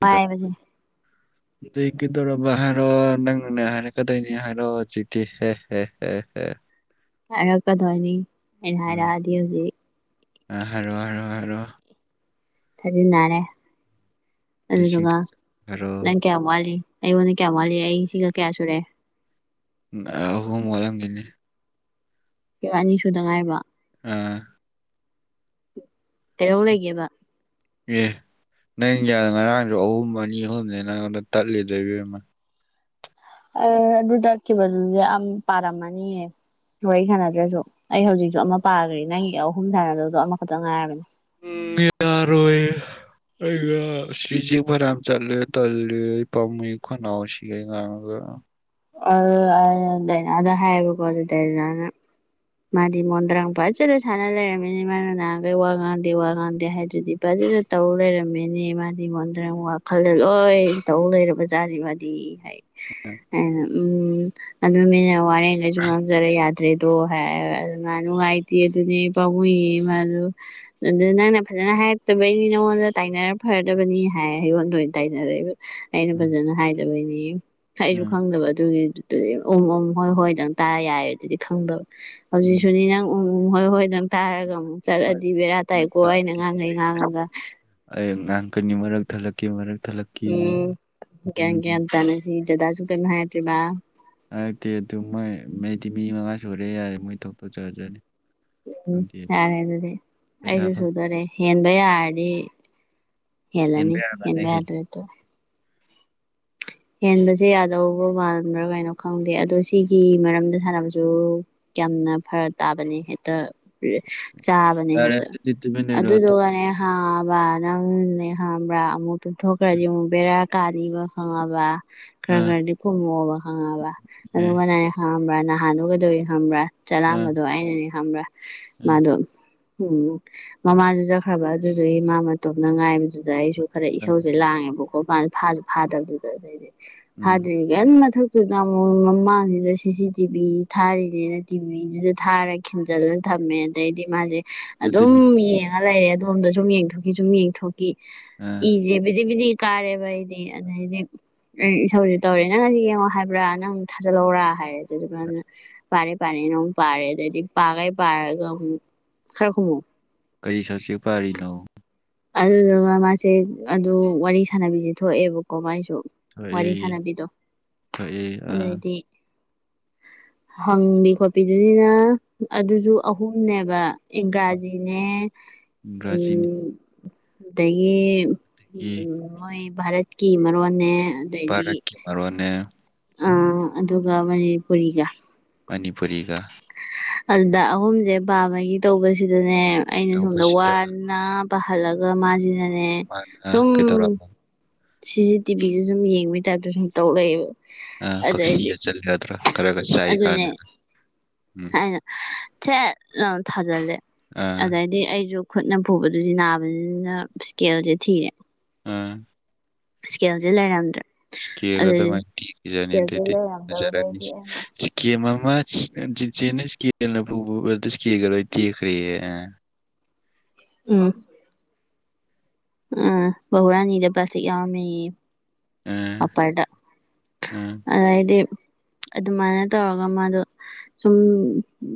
ꯄꯥꯏꯕꯖꯦ ꯑꯗꯨꯢ ꯀꯩꯗꯧꯔꯕ ꯍꯥꯏꯔꯣ ꯅꯪꯅ ꯍꯥꯏꯔꯛꯀꯗꯣꯢꯅꯤ ꯍꯥꯢꯔꯛꯑꯣ ꯍꯨꯖꯤꯛꯇꯤ ꯍ ꯍ ꯍ ꯍ ꯍꯥꯏꯔꯛ ꯀꯗꯣꯏꯅꯤ ꯎꯝ ꯑ ꯍꯥꯏꯔꯣ ꯍꯥꯏꯔꯣ ꯍꯥꯏꯔꯣ ꯊꯥꯖꯤꯟꯅꯔꯦ ꯂꯤꯁꯤꯡ ꯑꯗꯨꯗꯨꯒ ꯍꯥꯏꯔꯣ ꯅꯪ ꯀꯌꯥꯝ ꯋꯥꯠꯂꯤ ꯑꯩꯉꯣꯟꯗ ꯀꯌꯥꯝ ꯋꯥꯜꯂꯤ ꯑꯩ ꯁꯤꯒ ꯀꯌꯥ ꯁꯨꯔꯦ ꯑꯍꯨꯝ ꯋꯥꯜꯂꯝꯒꯤꯅꯤ ꯑꯦ ꯑꯅꯤꯁꯨꯗ ꯉꯥꯏꯔꯤꯕꯣ ꯑꯥ ꯀꯩꯗꯧ ꯂꯩꯒꯦꯕ ꯌꯦ ꯅꯪ ꯉꯔꯥꯡꯁꯨ ꯑꯍꯨꯝ ꯑꯅꯤ ꯑꯍꯨꯝꯅꯤ ꯅꯪꯉꯣꯟꯗ ꯇꯠꯂꯤꯗꯣ ꯏꯕꯦꯝꯃ ꯑꯩ ꯑꯗꯨ ꯇꯠꯈꯤꯕ ꯗꯨꯗꯤ ꯑꯝ ꯄꯔꯝꯃꯅꯤꯌꯦ ꯋꯥꯔꯤ ꯁꯟꯅꯗ꯭ꯔꯁꯨ ꯑꯩ ꯍꯧꯖꯤꯛꯁꯨ ꯑꯃ ꯄꯥꯈ꯭ꯔꯦ ꯅꯪꯒꯤ ꯑꯍꯨꯝ ꯁꯥꯟꯅꯗꯕꯗꯣ ꯑꯃꯈꯛꯇꯪ ꯉꯥꯏꯔꯕꯅꯦ ꯎꯝ ꯌꯥꯔꯣꯏ ꯑꯩꯔꯥ ꯁꯤ꯭ꯖꯤ ꯐꯅꯥꯝ ꯆꯠꯂꯦ ꯇꯜꯂꯦ ꯑꯩ ꯄꯥꯃꯨꯏ ꯈꯅꯥꯎ ꯁꯤꯒꯩ ꯉꯥꯡꯕꯗ ꯑ ꯑ ꯑꯥ ꯗꯥꯏꯅꯗ ꯍꯥꯏꯌꯦꯕꯀꯣ ꯑꯗꯨ ꯗꯥꯏꯅꯥꯅ ꯃꯥꯗꯤ ꯃꯣꯟꯗ꯭ꯔꯡ ꯐꯖꯅ ꯁꯥꯅ ꯂꯩꯔꯝꯃꯦ ꯃꯥꯅ ꯉꯍꯥꯟꯒꯩ ꯋꯥ ꯉꯥꯡꯗꯦ ꯋꯥ ꯉꯥꯡꯗꯦ ꯍꯥꯏꯗꯨꯗꯤ ꯐꯩ ꯁꯤꯗ ꯇꯧ ꯂꯩꯔꯝꯃꯦꯅꯦ ꯃꯥꯗꯤ ꯃꯣꯟꯗ꯭ꯔꯪ ꯋꯥꯈꯜꯗ ꯂꯣꯏ ꯇꯧ ꯂꯩꯔꯕꯖꯥꯠꯗꯤ ꯃꯥꯗꯤ ꯍꯥꯏ ꯑꯩꯅ ꯎꯝ ꯑꯗꯨ ꯃꯤꯅ ꯋꯥꯔꯦꯡꯉꯩꯁꯨ ꯉꯥꯡꯖꯔ ꯌꯥ ꯐꯠꯇ꯭ꯔꯦꯗꯣ ꯍꯥꯏ ꯑꯗꯨ ꯃꯥ ꯅꯨꯡꯉꯥꯏꯇꯦ ꯑꯗꯨꯗꯤ ꯄꯥꯃꯨꯢꯌꯦ ꯃꯥꯖꯨ ꯑꯗ ꯅꯪꯅ ꯐꯖ ꯑꯗꯨꯅ ꯍꯥꯏꯔꯛꯇꯕꯩꯅꯤ ꯅꯉꯣꯟꯗ ꯇꯥꯏꯅꯔ ꯐꯔꯗꯕꯅꯤ ꯍꯥꯏ ꯑꯩꯌꯣꯟꯗ ꯑꯣꯏꯅ ꯇꯥꯏꯅꯔꯛꯏꯕ ꯑꯩꯅ ꯎꯝ ꯐꯖꯅ ꯍꯥꯏꯗꯕꯩꯅꯦ ꯑꯩꯁꯨ ꯎꯝ ꯈꯪꯗꯕ ꯑꯗꯨꯒꯤ ꯑꯗꯨ ꯎꯝ ꯎꯝ ꯍꯣꯏ ꯍꯣꯏꯗꯪ ꯇꯥꯔ ꯌꯥꯏꯦ ꯑꯗꯨꯗꯤ ꯈꯪꯗꯕ ꯎꯝ ꯍꯧꯖꯤꯛꯁꯨꯅꯤ ꯅꯪ ꯎ ꯎ ꯍꯣꯏ ꯍꯣꯏ ꯅꯪ ꯇꯥꯔꯒ ꯑꯃꯨꯛ ꯍꯣꯏ ꯆꯠꯂꯗꯤ ꯕꯦꯔꯥ ꯍꯣꯏ ꯇꯥꯏꯀꯣ ꯑꯩꯅ ꯉꯥꯡꯈꯩ ꯉꯥꯡꯉꯒ ꯑꯩꯌꯦ ꯉꯥꯛ ꯀꯅꯤ ꯃꯔꯛ ꯊꯜꯂꯛꯀꯤ ꯃꯔꯛ ꯊꯠꯂꯛꯀꯤ ꯎꯝ ꯒꯤꯌꯥꯟ ꯎꯝ ꯒꯤꯌꯥꯟ ꯇꯥꯅꯁꯤ ꯗꯗꯥꯁꯨ ꯀꯩꯝ ꯍꯥꯏꯔꯛ ꯇ꯭ꯔꯤꯕ ꯍꯥꯏꯔꯛꯇꯦ ꯑꯗꯨ ꯃꯣꯏ ꯃꯩꯗꯤ ꯃꯤ ꯃꯉꯥ ꯁꯨꯔꯦ ꯌꯥꯔꯦ ꯃꯣꯏ ꯊꯣꯛꯄ ꯇꯧꯖꯖꯥꯅꯤ ꯎꯝ ꯌꯥꯔꯦ ꯑꯗꯨꯗꯤ ꯄꯩꯁꯥ ꯑꯩꯁꯨ ꯐꯪꯗꯕ ꯁꯨꯗꯣꯔꯦ ꯍꯦꯟꯕ ꯌꯥꯔꯗꯤ ꯍꯦꯟꯕ ꯍꯦꯜꯂꯅꯤ ꯌꯥꯔꯒꯅ ꯍꯦꯟꯕ ꯍꯦꯜꯂꯦ ꯌꯥꯗ꯭ꯔꯗꯤ ꯇꯣꯛꯑꯣ ꯍꯦꯟꯕꯁꯦ ꯌꯥꯗꯧꯕ ꯃꯥꯟꯕ꯭ꯔꯥ ꯀꯥꯏꯅꯣ ꯈꯪꯗꯦ ꯑꯗꯣ ꯁꯤꯒꯤ ꯃꯔꯝꯗ ꯁꯥꯟꯅꯕꯁꯨ ꯌꯥꯝꯅ ꯐꯔꯛ ꯇꯥꯕꯅꯦ ꯍꯦꯛꯇ ꯔꯦ ꯆꯥꯕꯅꯦ ꯌꯥꯔꯦ ꯍꯦꯛꯇ ꯑꯗꯨꯗꯤ ꯇꯨꯃꯤꯟ ꯂꯩꯔꯣ ꯑꯗꯨꯗꯨꯒꯅꯦ ꯍꯥ ꯕ ꯅꯪ ꯅ ꯍꯝꯕ꯭ꯔꯥ ꯑꯃꯨꯛ ꯇꯨꯝꯊꯣꯛꯈ꯭ꯔꯗꯤ ꯑꯃꯨꯛ ꯕꯦꯔꯥ ꯀꯥꯅꯤꯕ ꯈꯪꯉꯕ ꯈꯔ ꯑꯥ ꯈꯔꯗꯤ ꯈꯨꯝꯃꯣꯕ ꯈꯪꯉꯕ ꯃꯦ ꯑꯗꯨꯒꯅꯦ ꯅꯍꯥꯟꯗꯣ ꯀꯩꯗꯧꯋꯤ ꯈꯪꯕ꯭ꯔꯥ ꯑꯥ ꯆꯥꯂꯝꯕꯗꯣ ꯑꯩꯅꯅꯦ ꯈꯪꯕ꯭ꯔꯥ ꯑꯥ ꯃꯥꯗꯣ ꯎꯝ ꯃꯃꯥꯗꯨ ꯆꯠꯈ꯭ꯔꯕ ꯑꯗꯨꯗꯨꯏ ꯃꯥ ꯃꯇꯣꯝꯅ ꯉꯥꯏꯕꯗꯨꯗ ꯑꯩꯁꯨ ꯈꯔ ꯏꯁꯧꯁꯦ ꯂꯥꯡꯉꯦꯕꯀꯣ ꯃꯥꯁꯨ ꯐꯥꯁꯨ ꯐꯥꯗꯕꯗꯨꯗ ꯎꯝ ꯐꯥꯗꯔꯤ ꯀꯩꯝ ꯃꯊꯛ ꯃꯃꯥꯡꯁꯤꯗ ꯁꯤ ꯁꯤ ꯇꯤꯕꯤ ꯊꯥꯔꯤꯅꯦꯅ ꯇꯤꯕꯤꯗꯨꯗ ꯊꯥꯔ ꯈꯤꯟꯖꯤꯜꯂꯒ ꯊꯥ ꯇꯝꯃꯦ ꯑꯗꯩꯗꯤ ꯃꯥꯁꯦ ꯑꯗꯨꯝ ꯌꯦꯡꯉ ꯂꯩꯔꯦ ꯑꯗꯣꯝꯗ ꯁꯨꯝ ꯌꯦꯡꯊꯣꯛꯈꯤ ꯁꯨꯝ ꯌꯦꯡꯊꯣꯛꯈꯤ ꯑꯥ ꯏ ꯏꯁꯦ ꯕꯤꯗꯤ ꯕꯤꯗꯤ ꯀꯥꯔꯦꯕ ꯑꯩꯗꯤ ꯑꯗꯩꯗꯤ ꯑꯩ ꯏꯁꯧꯁꯦ ꯇꯧꯔꯦ ꯅꯪ ꯑꯁꯤ ꯌꯦꯡꯉꯣ ꯍꯥꯏꯕ꯭ꯔꯥ ꯅꯪ ꯊꯖꯟꯂꯛꯑꯣꯔꯥ ꯍꯥꯏꯔꯦ ꯑꯗꯨꯗꯨꯒꯥ ꯄꯔꯦ ꯄꯔ ꯄꯥꯔꯦ ꯅ ꯑꯃꯨꯛ ꯄꯥꯔꯦ ꯑꯗꯩꯗꯤ ꯄꯥꯒꯩ ꯄꯥꯔꯒ ꯑꯃꯨꯛ ꯈꯔꯥ ꯈꯨꯝꯃꯣ ꯀꯔꯤ ꯁꯞꯁꯦꯛ ꯄꯥꯔꯤꯅꯣ ꯑꯗꯨꯗꯨꯒ ꯃꯥꯁꯦ ꯑꯗꯨ ꯋꯥꯔꯤ ꯁꯥꯟꯅꯕꯤꯁꯦ ꯊꯣꯛꯑꯦꯕꯀꯣ ꯃꯥꯏꯁꯨ ꯊꯣꯛꯑꯦ ꯋꯥꯔꯤ ꯁꯥꯟꯅꯕꯤꯗꯣ ꯊꯣꯛꯑꯦ ꯑꯥ ꯑꯗꯩꯗꯤ ꯍꯪꯕꯤ ꯈꯣꯠꯄꯤꯗꯨꯅꯤꯅ ꯑꯗꯨꯁꯨ ꯑꯍꯨꯝꯅꯦꯕ ꯏꯪꯒ꯭ꯔꯥꯖꯤꯅꯦ ꯏꯪꯒ꯭ꯔꯥꯖꯤꯗꯒꯤ ꯎꯃ ꯑꯗꯒꯤ ꯎꯝ ꯃꯣꯏ ꯚꯥꯔꯠꯀꯤ ꯃꯔꯣꯜꯅꯦ ꯚꯔꯥꯠ ꯀꯤ ꯃꯔꯣꯜꯅꯦ ꯑꯗꯨꯒ ꯃꯅꯤꯄꯨꯔꯤꯒ ꯃꯅꯤꯄꯨꯔꯤꯒ ꯑꯗꯨꯗ ꯑꯍꯨꯝꯁꯦ ꯄꯥꯕꯒꯤ ꯇꯧꯕꯁꯤꯗꯅꯦ ꯑꯩꯅ ꯁꯣꯝꯗ ꯇꯧꯕꯁꯤꯗ ꯋꯥꯅ ꯄꯥꯍꯜꯂꯒ ꯃꯥꯁꯤꯅꯅꯦ ꯃꯥꯅ ꯁꯨꯝ ꯀꯩꯗꯧꯔꯕ ꯁꯤ ꯁꯤ ꯇꯤ ꯚꯤꯗꯨ ꯁꯨꯝ ꯌꯦꯡꯕꯩ ꯇꯥꯏꯞꯇ ꯁꯨꯝ ꯇꯧꯔꯂꯩꯌꯦꯕꯥ ꯑ ꯥ ꯀꯥꯛꯁꯤ ꯍꯛꯆꯟꯂꯨ ꯌꯗꯔꯣ ꯈꯔꯒꯥ ꯑꯗꯨꯅꯦ ꯆꯥꯛꯏꯀꯟꯗꯨꯗꯥ ꯑꯩꯅ ꯁꯦꯠ ꯂꯥꯑꯣꯅ ꯊꯥꯖꯜꯂꯦ ꯑꯥ ꯑꯗꯩꯗꯤ ꯑꯩꯁꯨ ꯈꯨꯠꯅ ꯐꯨꯕꯗꯨꯗꯤ ꯅꯥꯕꯅꯤꯅ ꯏꯁꯀꯦꯜꯁꯦ ꯊꯤꯔꯦ ꯑꯥ ꯏꯁꯀꯦꯜꯁꯦ ꯂꯩꯔꯝꯗ꯭ꯔꯦ ꯏꯁꯀꯦꯜꯒꯗꯣ ꯑꯗꯨꯗꯤ ꯃꯥꯏ ꯇꯦꯛꯈꯤꯖꯅꯤ ꯏꯁꯀꯦꯜꯁꯦ ꯑꯗꯩꯩꯗꯤ ꯐꯖꯔꯅꯤ ꯂꯩꯔꯝꯗꯕꯗꯩꯗꯤ ꯑꯩꯅ ꯏꯁꯀꯦꯝ ꯑꯃꯥ ꯆꯤꯆꯦꯅ ꯏꯁꯀꯦꯜꯅ ꯐꯨꯕꯗꯥ ꯏꯁꯀꯦꯜꯒꯥ ꯂꯣꯏꯅꯥ ꯇꯦꯛꯈꯔ꯭ꯦꯌꯦ ꯎꯝ ꯎꯝ ꯕꯥꯍꯨꯔꯥꯅꯤꯗ ꯄꯂ꯭ꯥꯁꯇꯤꯛ ꯌꯥꯎꯔꯝꯃꯦꯌꯦ ꯑꯥ ꯄꯥꯄꯥꯔꯗ ꯑꯥ ꯑꯗꯩꯩꯗꯤ ꯑꯗꯨꯃꯥꯏꯅ ꯇꯧꯔꯒ ꯃꯥꯗꯣ ꯁꯨꯝ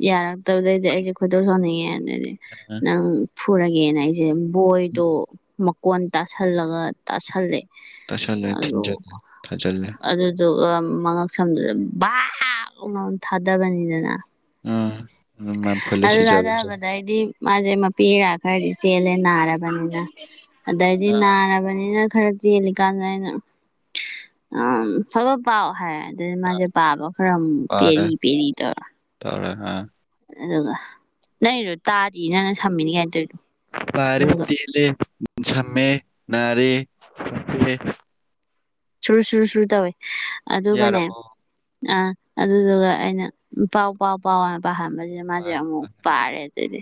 ꯌꯥꯔꯛꯇꯕꯗꯩꯗꯤ ꯑꯩꯁꯦ ꯈꯣꯏꯗꯧ ꯁꯥꯎꯟꯅꯤꯡꯉꯦ ꯑꯗꯨꯗꯤ ꯑꯥ ꯅꯪ ꯐꯨꯔꯒꯦꯅ ꯑꯩꯁꯦ ꯕꯣꯏꯗꯣ ꯀꯣꯟ ꯇꯥꯁꯜꯂꯒ ꯇꯥꯁꯜꯂꯦ ꯇꯥꯁꯟꯂꯥ ꯑꯗꯣ ꯊꯤꯟꯖꯟ ꯑꯗꯨꯗꯨꯒ ꯃꯉꯛ ꯁꯝꯗꯨꯗ ꯕꯥꯥꯛ ꯂꯥꯎꯅꯥ ꯊꯥꯗꯕꯅꯤꯗꯅ ꯑꯥ ꯃꯥꯡꯐꯜꯂ ꯑꯗꯨ ꯁꯤꯖꯕꯁꯦ ꯊꯗꯕꯗꯩꯗꯤ ꯃꯥꯁꯦ ꯃꯄꯤꯔꯥ ꯈꯔꯗꯤ ꯆꯦꯜꯂꯦ ꯅꯥꯔꯕꯅꯤꯅ ꯑꯗꯩꯗꯤ ꯑꯥ ꯅꯥꯔꯕꯅꯤꯅ ꯈꯔ ꯆꯦꯜꯂꯤꯀꯥꯟꯗ ꯑꯩꯅ ꯑꯥ ꯐꯕꯠ ꯄꯥꯎ ꯍꯥꯏꯔ ꯑꯥ ꯃꯥꯁꯦ ꯄꯥꯕ ꯈꯔ ꯄꯥꯔꯦ ꯄꯦꯔꯤ ꯄꯦꯔꯤ ꯇꯧꯔ ꯇꯧꯔꯦ ꯑꯥ ꯑꯗꯨꯒ ꯅꯪꯒꯤꯗꯣ ꯇꯥꯗꯤꯌꯦ ꯅꯪꯅ ꯁꯝꯃꯤꯅꯦ ꯀꯥꯏꯅ ꯇꯧꯔꯤꯗꯣ ꯄꯥꯔꯦ ꯑꯗꯨꯒ ꯇꯂꯂꯦ ꯁꯝꯃꯦ ꯅꯔꯦ ꯁꯨꯔ ꯁꯨꯔꯨ ꯁꯨꯔꯨ ꯇꯧꯋꯦ ꯑꯗꯨꯒꯅꯦ ꯌꯥꯔꯕꯣ ꯑꯥ ꯑꯗꯨꯗꯨꯒ ꯑꯩꯅ ꯄꯥꯎ ꯄꯥꯎ ꯄꯥꯎ ꯄꯥꯍꯟꯕ ꯁꯤꯗ ꯃꯥꯁꯦ ꯄꯥꯍꯜꯂꯦ ꯑꯃꯨꯛ ꯄꯥꯍꯜꯂꯦ ꯄꯥꯔꯦ ꯑꯗꯨꯗꯩꯩꯗꯤ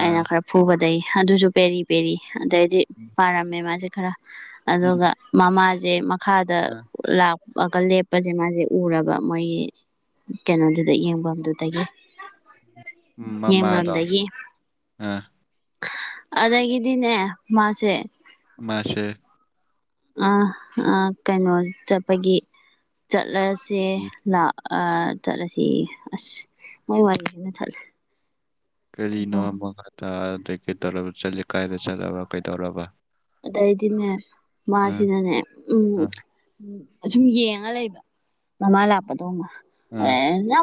ꯑꯩꯅ ꯑꯥ ꯈꯔ ꯐꯨꯕꯗꯩ ꯑꯗꯨꯁꯨ ꯄꯦꯔꯤ ꯄꯦꯔꯤ ꯑꯗꯩꯗꯤ ꯄꯥꯔꯝꯃꯦ ꯃꯥꯁꯦ ꯈꯔ ꯎꯝ ꯑꯗꯨꯒ ꯃꯃꯥꯁꯦ ꯃꯈꯥꯗ ꯑꯥ ꯂꯥꯛꯑꯒ ꯂꯦꯞꯄꯁꯦ ꯃꯥꯁꯦ ꯎꯔꯕ ꯃꯣꯏꯒꯤ ꯀꯩꯅꯣꯗꯨꯗ ꯌꯦꯡꯐꯝꯗꯨꯗꯒꯤ ꯃꯃꯥꯗꯣ ꯌꯦꯕꯝꯗꯒꯤ ꯑꯥ ꯑꯗꯩꯒꯤꯗꯤꯅꯦ ꯃꯥꯁꯦ ꯃꯥꯁꯦ ꯑꯥ ꯑꯥ ꯀꯩꯅꯣ ꯆꯠꯄꯒꯤ ꯆꯠꯂꯁꯦ ꯂ ꯑꯥ ꯆꯠꯂꯁꯤ ꯑꯁ ꯃꯣꯏ ꯋꯥꯔꯤꯁꯤꯅ ꯊꯠꯂꯦ ꯀꯔꯤꯅꯣ ꯃꯈ ꯇꯗ꯭ꯔꯦ ꯀꯩꯗꯧꯔꯕ ꯆꯠꯂꯤ ꯀꯥꯏꯗ ꯆꯠꯂꯕ ꯀꯩꯗꯧꯔꯕ ꯑꯗꯩꯗꯤꯅꯦ ꯎꯝ ꯃꯥꯁꯤꯅꯅꯦ ꯎꯝ ꯁꯨꯝ ꯌꯦꯡꯉ ꯂꯩꯕ ꯃꯃꯥ ꯂꯥꯛꯄꯗꯧꯅ ꯎꯝ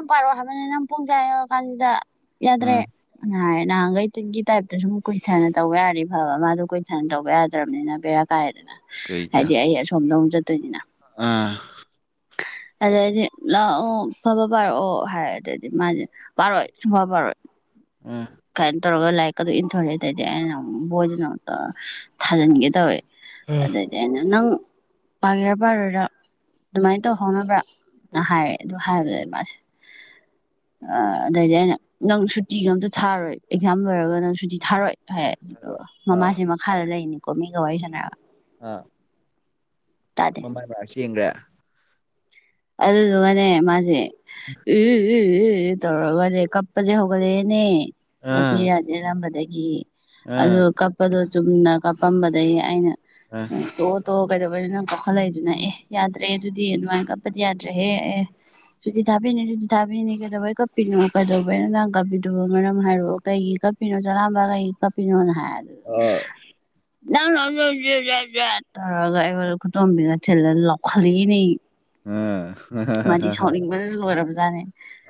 ꯄꯥꯔꯛꯑꯣ ꯍꯥꯏꯕꯅꯤ ꯅꯪ ꯄꯨꯡꯁꯦ ꯑꯥ ꯌꯧꯔ ꯀꯥꯟꯁꯤꯗ ꯌꯥꯗ꯭ꯔꯦ ꯎꯝ ꯍꯥꯏ ꯅꯍꯥꯟꯒꯩ ꯇꯨꯟꯇꯤ ꯇꯥꯏꯞꯇꯁꯨ ꯀꯨꯏꯊꯅ ꯇꯧꯕ ꯌꯥꯔꯗꯤ ꯐꯕ ꯃꯥꯗꯣ ꯀꯨꯏꯊꯅ ꯇꯧꯕ ꯌꯥꯗ꯭ꯔꯕꯅꯤꯅ ꯕꯦꯔꯥ ꯀꯥꯏ ꯀꯩꯒꯤ ꯍꯥꯏꯗꯤ ꯑꯩ ꯑꯁꯣꯝꯗ ꯑꯃꯨꯛ ꯆꯠꯇꯣꯏꯅꯤꯅ ꯑꯥ ꯑꯗꯩꯗꯤ ꯂꯥꯛꯑꯣ ꯐꯠ ꯐꯠ ꯄꯥꯔꯛꯑꯣ ꯍꯥꯏꯔꯦ ꯑꯗꯨꯗꯩ ꯃꯥꯁꯦ ꯄꯥꯔꯣꯏ ꯁꯨꯡꯄ ꯄꯥꯔꯣꯏ ꯎꯝ ꯀꯃꯥꯏꯅ ꯇꯧꯔꯒ ꯂꯥꯏꯔꯤꯛꯀ ꯗꯣ ꯏꯟꯊꯣꯔꯇꯗꯤ ꯑꯩꯅ ꯕꯣꯏꯗꯨꯅ ꯑꯃꯨꯛ ꯊꯥꯖꯤꯟꯒꯦ ꯇꯧꯋꯦ ꯑꯗꯨꯗꯤ ꯑꯩꯅ ꯅꯪ ꯄꯥꯒꯦꯔꯥ ꯄꯥꯔꯣꯏꯔ ꯑꯗꯨꯃꯥꯏꯅ ꯇꯧꯍꯧꯅꯕꯅ ꯍꯥꯏꯑꯦ ꯑꯗꯨ ꯍꯥꯏꯕꯗ ꯃꯥꯁꯦ ꯑꯥ ꯑꯗꯩꯗꯤ ꯑꯩꯅ ꯅꯪ ꯁꯨꯇꯤꯒ ꯑꯝꯇ ꯊꯥꯔꯣꯏ ꯑꯦꯛꯖꯥꯝ ꯂꯣꯏꯔꯒ ꯅꯪ ꯁꯨꯇꯤ ꯊꯥꯔꯣꯏ ꯍꯥꯏ ꯑꯗꯨꯗ ꯌꯥꯔꯣꯏ ꯑꯥ ꯃꯃꯥꯁꯦ ꯃꯈꯥꯗ ꯂꯩꯅꯤꯀꯣ ꯃꯤ ꯁꯅꯔꯒ ꯑꯥ ꯃꯃꯥꯏ ꯕꯕꯥ ꯆꯦꯟꯒ꯭ꯔꯦ ꯑꯗꯨꯗꯨꯅꯅꯦ ꯃꯥꯁꯦ ꯎ ꯏ ꯏ ꯇꯧꯔꯒꯅꯦ ꯀꯞꯄꯁꯦ ꯍꯧꯒꯠꯂꯛꯑꯦꯅꯦ ꯃꯄꯤ ꯑꯥ ꯏꯔꯥ ꯆꯦꯜꯂꯝꯕꯗꯒꯤ ꯑꯗꯨ ꯑꯥ ꯀꯞꯄꯗꯣ ꯆꯨꯝꯅ ꯀꯞꯄꯝꯕꯗꯒꯤ ꯑꯩꯅ ꯑꯥ ꯇꯣꯛꯑꯣ ꯇꯣꯛꯑꯣ ꯀꯩꯗꯧꯕꯩꯅꯣ ꯅꯪ ꯀꯞꯈꯠꯂꯛꯏꯗꯨꯅ ꯑꯦ ꯌꯥꯗ꯭ꯔꯦ ꯑꯗꯨꯗꯤ ꯑꯗꯨꯃꯥꯏꯅ ꯀꯞ ꯄꯗꯤ ꯌꯥꯗ꯭ꯔꯦꯍꯦ ꯑꯦ ꯁꯨꯇꯤ ꯊꯥꯕꯤꯅꯤ ꯁꯨꯗꯤ ꯊꯥꯕꯤꯅꯤ ꯀꯩꯗꯧꯕꯩ ꯀꯞꯄꯤꯅꯣ ꯀꯩꯗꯧꯕꯩꯅꯣ ꯅꯪ ꯀꯞꯄꯤ ꯑꯗꯨꯒ ꯃꯔꯝ ꯍꯥꯏꯔꯛꯑꯣ ꯀꯩꯒꯤ ꯀꯞꯄꯤꯅꯣ ꯆꯂꯥꯝꯕ ꯀꯩꯒꯤ ꯀꯞꯄꯤꯅꯣꯅ ꯍꯥꯏ ꯑꯥ ꯅꯪ ꯖ ꯖꯥꯠ ꯖꯥꯠ ꯇꯧꯔꯒ ꯑꯩꯉꯣꯟꯗ ꯈꯨꯗꯣꯝꯕꯤꯅ ꯊꯤꯜꯂ ꯂꯧꯈꯠꯂꯛꯑꯦꯅꯦ ꯃꯥꯗꯤ ꯑꯥ ꯁꯥꯎꯅꯤꯡꯕꯅ ꯂꯣꯏꯔꯕꯖꯥꯠꯅꯦ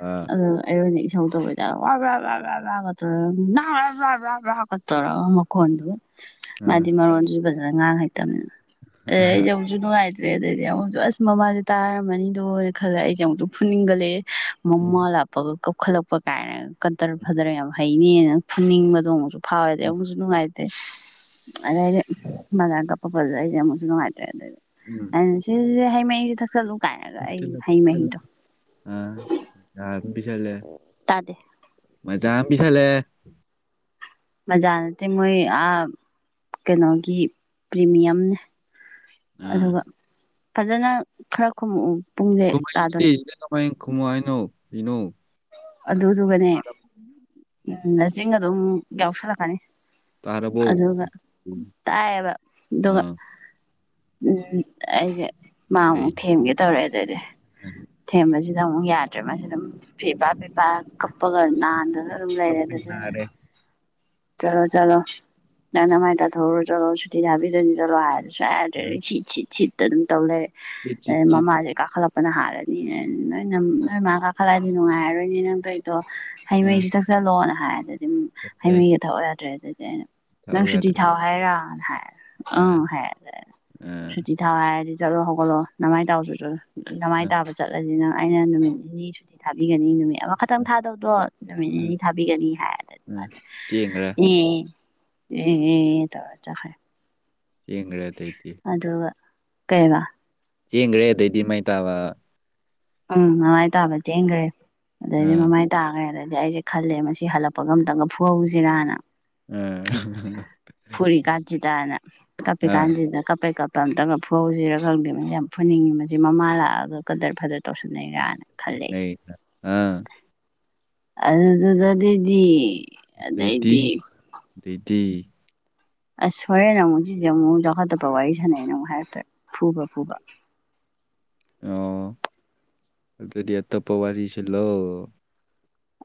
ꯑꯥ ꯑꯗꯨ ꯑꯩꯉꯣꯟꯗ ꯑꯗꯨ ꯇꯧꯋꯦ ꯋꯥꯕ꯭ꯔꯕꯕꯥꯕ꯭ꯔꯕꯔꯕꯕꯥꯕ꯭ꯔꯕ꯭ꯔꯒꯠ ꯇꯣꯔꯒ ꯃꯈꯣꯟꯗꯨꯒ ꯎꯝ ꯃꯥꯗꯤ ꯃꯔꯣꯟꯁꯨ ꯐꯖꯅ ꯉꯥꯡ ꯍꯩꯇꯕꯅꯤꯅ ꯑꯦ ꯅꯨꯡꯁꯨ ꯅꯨꯡꯉꯥꯏꯇꯦ ꯇꯦ ꯑꯗꯩꯗꯤ ꯑꯃꯨꯛꯁꯨ ꯑꯁ ꯃꯃꯥꯁꯦ ꯇꯥꯔꯝꯃꯅꯤꯗꯣꯅ ꯈꯜꯂꯦ ꯑꯩꯁꯦ ꯑꯃꯨꯛꯁꯨ ꯐꯨꯅꯤꯡꯒꯠꯂꯛꯑꯦ ꯃꯃꯥ ꯂꯥꯛꯄꯒ ꯀꯞꯈꯠꯂꯛꯄ ꯀꯥꯏꯅ ꯀꯗꯔ ꯐꯗꯔ ꯌꯥꯝ ꯍꯩꯅꯦꯅ ꯐꯨꯟꯅꯤꯡꯕꯗꯣ ꯑꯃꯛꯁꯨ ꯐꯥꯎꯋꯦꯗꯤ ꯎꯝ ꯑꯃꯨꯛꯁꯨ ꯅꯨꯡꯉꯥꯏꯦ ꯏꯁ ꯑꯗꯩꯗꯤ ꯃꯥ ꯑꯗꯨꯃꯥꯏ ꯀꯄꯛꯄꯗꯨꯗ ꯃꯨꯛꯁꯨ ꯅꯨꯡꯉꯥꯏ ꯁꯦ ꯁꯦ ꯍꯩ ꯃꯍꯤꯁꯦ ꯊꯛꯆꯤꯜꯂꯨ ꯑ ꯌꯥ ꯄꯤꯁꯜꯂꯦ ꯇꯥꯗꯦ ꯃꯖꯥ ꯑꯃ ꯄꯤꯁꯜꯂꯛꯑꯦ ꯃꯖꯥ ꯅꯠꯇꯦ ꯃꯣꯏ ꯑ ꯀꯩꯅꯣꯒꯤ ꯄ꯭ꯔꯤꯃꯤꯌꯝꯅꯦ ꯑꯥ ꯑꯗꯨꯒ ꯐꯖꯅ ꯈꯔ ꯈꯨꯝꯃꯛꯎ ꯄꯨꯡꯁꯦ ꯈꯨꯝꯃꯛꯏꯁꯤꯗꯤ ꯇꯥꯗꯣꯔꯦ ꯁꯤꯗ ꯀꯃꯥꯏꯅ ꯈꯨꯝꯃꯨ ꯍꯥꯏꯅꯣ ꯀꯩꯅꯣ ꯑꯗꯨꯗꯨꯒꯅꯦ ꯎꯝ ꯅꯆꯤꯟꯒꯗꯣ ꯑꯗꯨꯝ ꯌꯥꯎꯁꯤꯜꯂꯛꯀꯅꯤ ꯇꯥꯔꯕꯣ ꯑꯗꯨꯒ ꯇꯥꯏꯑꯦꯕ ꯑꯗꯨꯒ ꯑꯥ ꯎꯝ ꯑꯩꯁꯦ ꯑꯩ ꯃꯥꯃꯨꯛ ꯊꯦꯝꯒꯦ ꯇꯧꯔꯑꯦ ꯑꯗꯩꯗꯤ ꯊꯦꯝꯕꯁꯤꯗ ꯑꯃꯨꯛ ꯌꯥꯗ꯭ꯔꯦ ꯃꯁꯤꯗ ꯑꯃꯨꯛ ꯐꯦꯕꯥ ꯐꯦꯄꯥ ꯀꯞꯄꯒ ꯅꯥꯟꯗꯅ ꯑꯗꯨꯝ ꯂꯩꯔꯦ ꯑꯗꯨ ꯀꯞꯄꯩ ꯅꯥꯔꯦ ꯆꯂꯣ ꯆꯂꯣ ꯅꯪ ꯅꯃꯥꯥꯏ ꯇꯊꯣꯛꯎꯔꯣꯆꯣ ꯁꯨꯇꯤ ꯊꯥꯕꯤꯗꯨꯅꯤ ꯆꯂꯣ ꯑꯥꯗ ꯁꯨꯛꯌꯥ ꯑ ꯌꯥꯗ꯭ꯔꯦ ꯁꯤꯠ ꯁꯤꯠ ꯁꯤꯠꯇ ꯑꯗꯨꯝ ꯇꯧ ꯆꯤꯠ ꯂꯩꯔꯦ ꯆꯤꯠ ꯆꯤꯠ ꯃꯃꯥꯁꯦ ꯇꯧꯅ ꯀꯥꯈꯠꯂꯛꯄꯅ ꯍꯥꯜꯂꯦ ꯑꯩꯅ ꯅꯣꯏ ꯅꯣꯏꯃꯥ ꯀꯥꯈꯠꯂꯛꯑꯗꯤ ꯅꯨꯡꯉꯥꯏꯔꯔꯣꯏꯅꯦ ꯅꯪ ꯇꯩꯏꯗꯣ ꯍꯩ ꯃꯍꯩꯁꯤ ꯊꯛꯆꯜꯂꯣꯅ ꯆꯠꯈ꯭ꯔꯦ ꯄꯥꯎ ꯌꯥꯗ꯭ꯔꯦ ꯑꯗꯨꯗꯤ ꯑꯩꯅ ꯅꯪ ꯁꯨꯇꯤ ꯊꯥꯎ ꯍꯥꯏꯔꯥ ꯍꯥꯏꯔꯦ ꯑ ꯑꯪ ꯍꯦ ꯑ ꯁꯨꯇꯤ ꯊꯥꯎ ꯍꯥꯏꯔꯗꯤ ꯆꯠꯂꯣ ꯅꯃꯥꯏ ꯇꯥꯎꯆꯣ ꯆꯠꯂꯣ ꯅꯃꯥꯏ ꯑ ꯇꯥꯕ ꯆꯠꯂꯗꯤ ꯅꯪ ꯑꯩꯅ ꯅꯨꯃꯤꯠ ꯅꯤꯅꯤ ꯁꯨꯇꯤ ꯊꯥꯕꯤꯒꯅꯤ ꯅꯨꯃꯤꯠ ꯑꯃꯈꯛꯇꯪ ꯊꯥꯗꯧꯗꯣ ꯅꯨꯃꯤꯠ ꯑ ꯅꯤꯅꯤ ꯊꯥꯕꯤꯒꯅꯤ ꯍꯥꯏꯅ ꯑ ꯃꯌꯦ ꯆꯕ ꯆꯦꯡꯈ꯭ꯔꯦ ꯌꯦ ꯌꯦ ꯌꯦ ꯇꯧꯔ ꯆꯨꯠꯈ꯭ꯔꯦ ꯆꯦꯡꯒꯔꯦ ꯑꯗꯩꯗꯤ ꯀꯩꯑꯕꯥ ꯆꯦꯡꯒ꯭ꯔꯦ ꯑꯗꯩꯗꯤ ꯃꯥ ꯇꯥꯕ ꯎꯪ ꯃꯃꯥꯏ ꯇꯥꯕ ꯆꯦꯟꯒ꯭ꯔꯦ ꯑꯗꯩꯗꯤ ꯑꯥ ꯃꯃꯥꯏ ꯇꯥꯒ꯭ꯔꯦ ꯑꯗꯩꯗꯤ ꯑꯗꯩꯗꯤ ꯑꯩꯁꯦ ꯈꯜꯂꯦ ꯃꯁꯤ ꯍꯜꯂꯛꯄꯒ ꯑꯝꯇꯪꯒ ꯐꯨꯍꯧꯁꯤꯔꯅ ꯑꯥ ꯐꯨꯔꯤ ꯀꯥꯟꯁꯤꯗꯅ ꯑꯥ ꯀꯄꯤꯀꯥꯟꯁꯤ ꯀꯞꯄꯦ ꯀꯞꯄꯦ ꯑꯝꯇꯪꯒ ꯐꯨꯍꯧꯁꯤꯔꯒ ꯈꯪꯗꯦ ꯌꯥꯝ ꯐꯨꯅꯤꯡꯉꯤ ꯃꯁꯤ ꯃꯃꯥ ꯂꯥꯛꯑꯒ ꯀꯗꯔ ꯐꯗꯔ ꯇꯧꯁꯟꯅꯩꯒꯅ ꯈꯔ ꯅꯩꯅ ꯑꯥ ꯑꯗꯨꯗꯨꯗꯗꯤꯗꯤ ꯑꯗꯩꯗꯤ ꯇꯤ ꯑꯁ ꯍꯣꯔꯦꯟ ꯑꯃꯨꯛ ꯁꯤꯁꯦ ꯑꯃꯨꯛ ꯆꯥꯎꯈꯠꯇꯕ ꯋꯥꯔꯤ ꯁꯥꯟꯅꯩꯅ ꯑꯃꯨꯛ ꯍꯥꯏꯔꯛꯇꯨꯔ ꯐꯨꯕ ꯐꯨꯕ ꯑꯣ ꯑꯗꯨꯗꯤ ꯑꯇꯣꯞꯄ ꯋꯥꯔꯤ ꯁꯤꯟꯂꯣ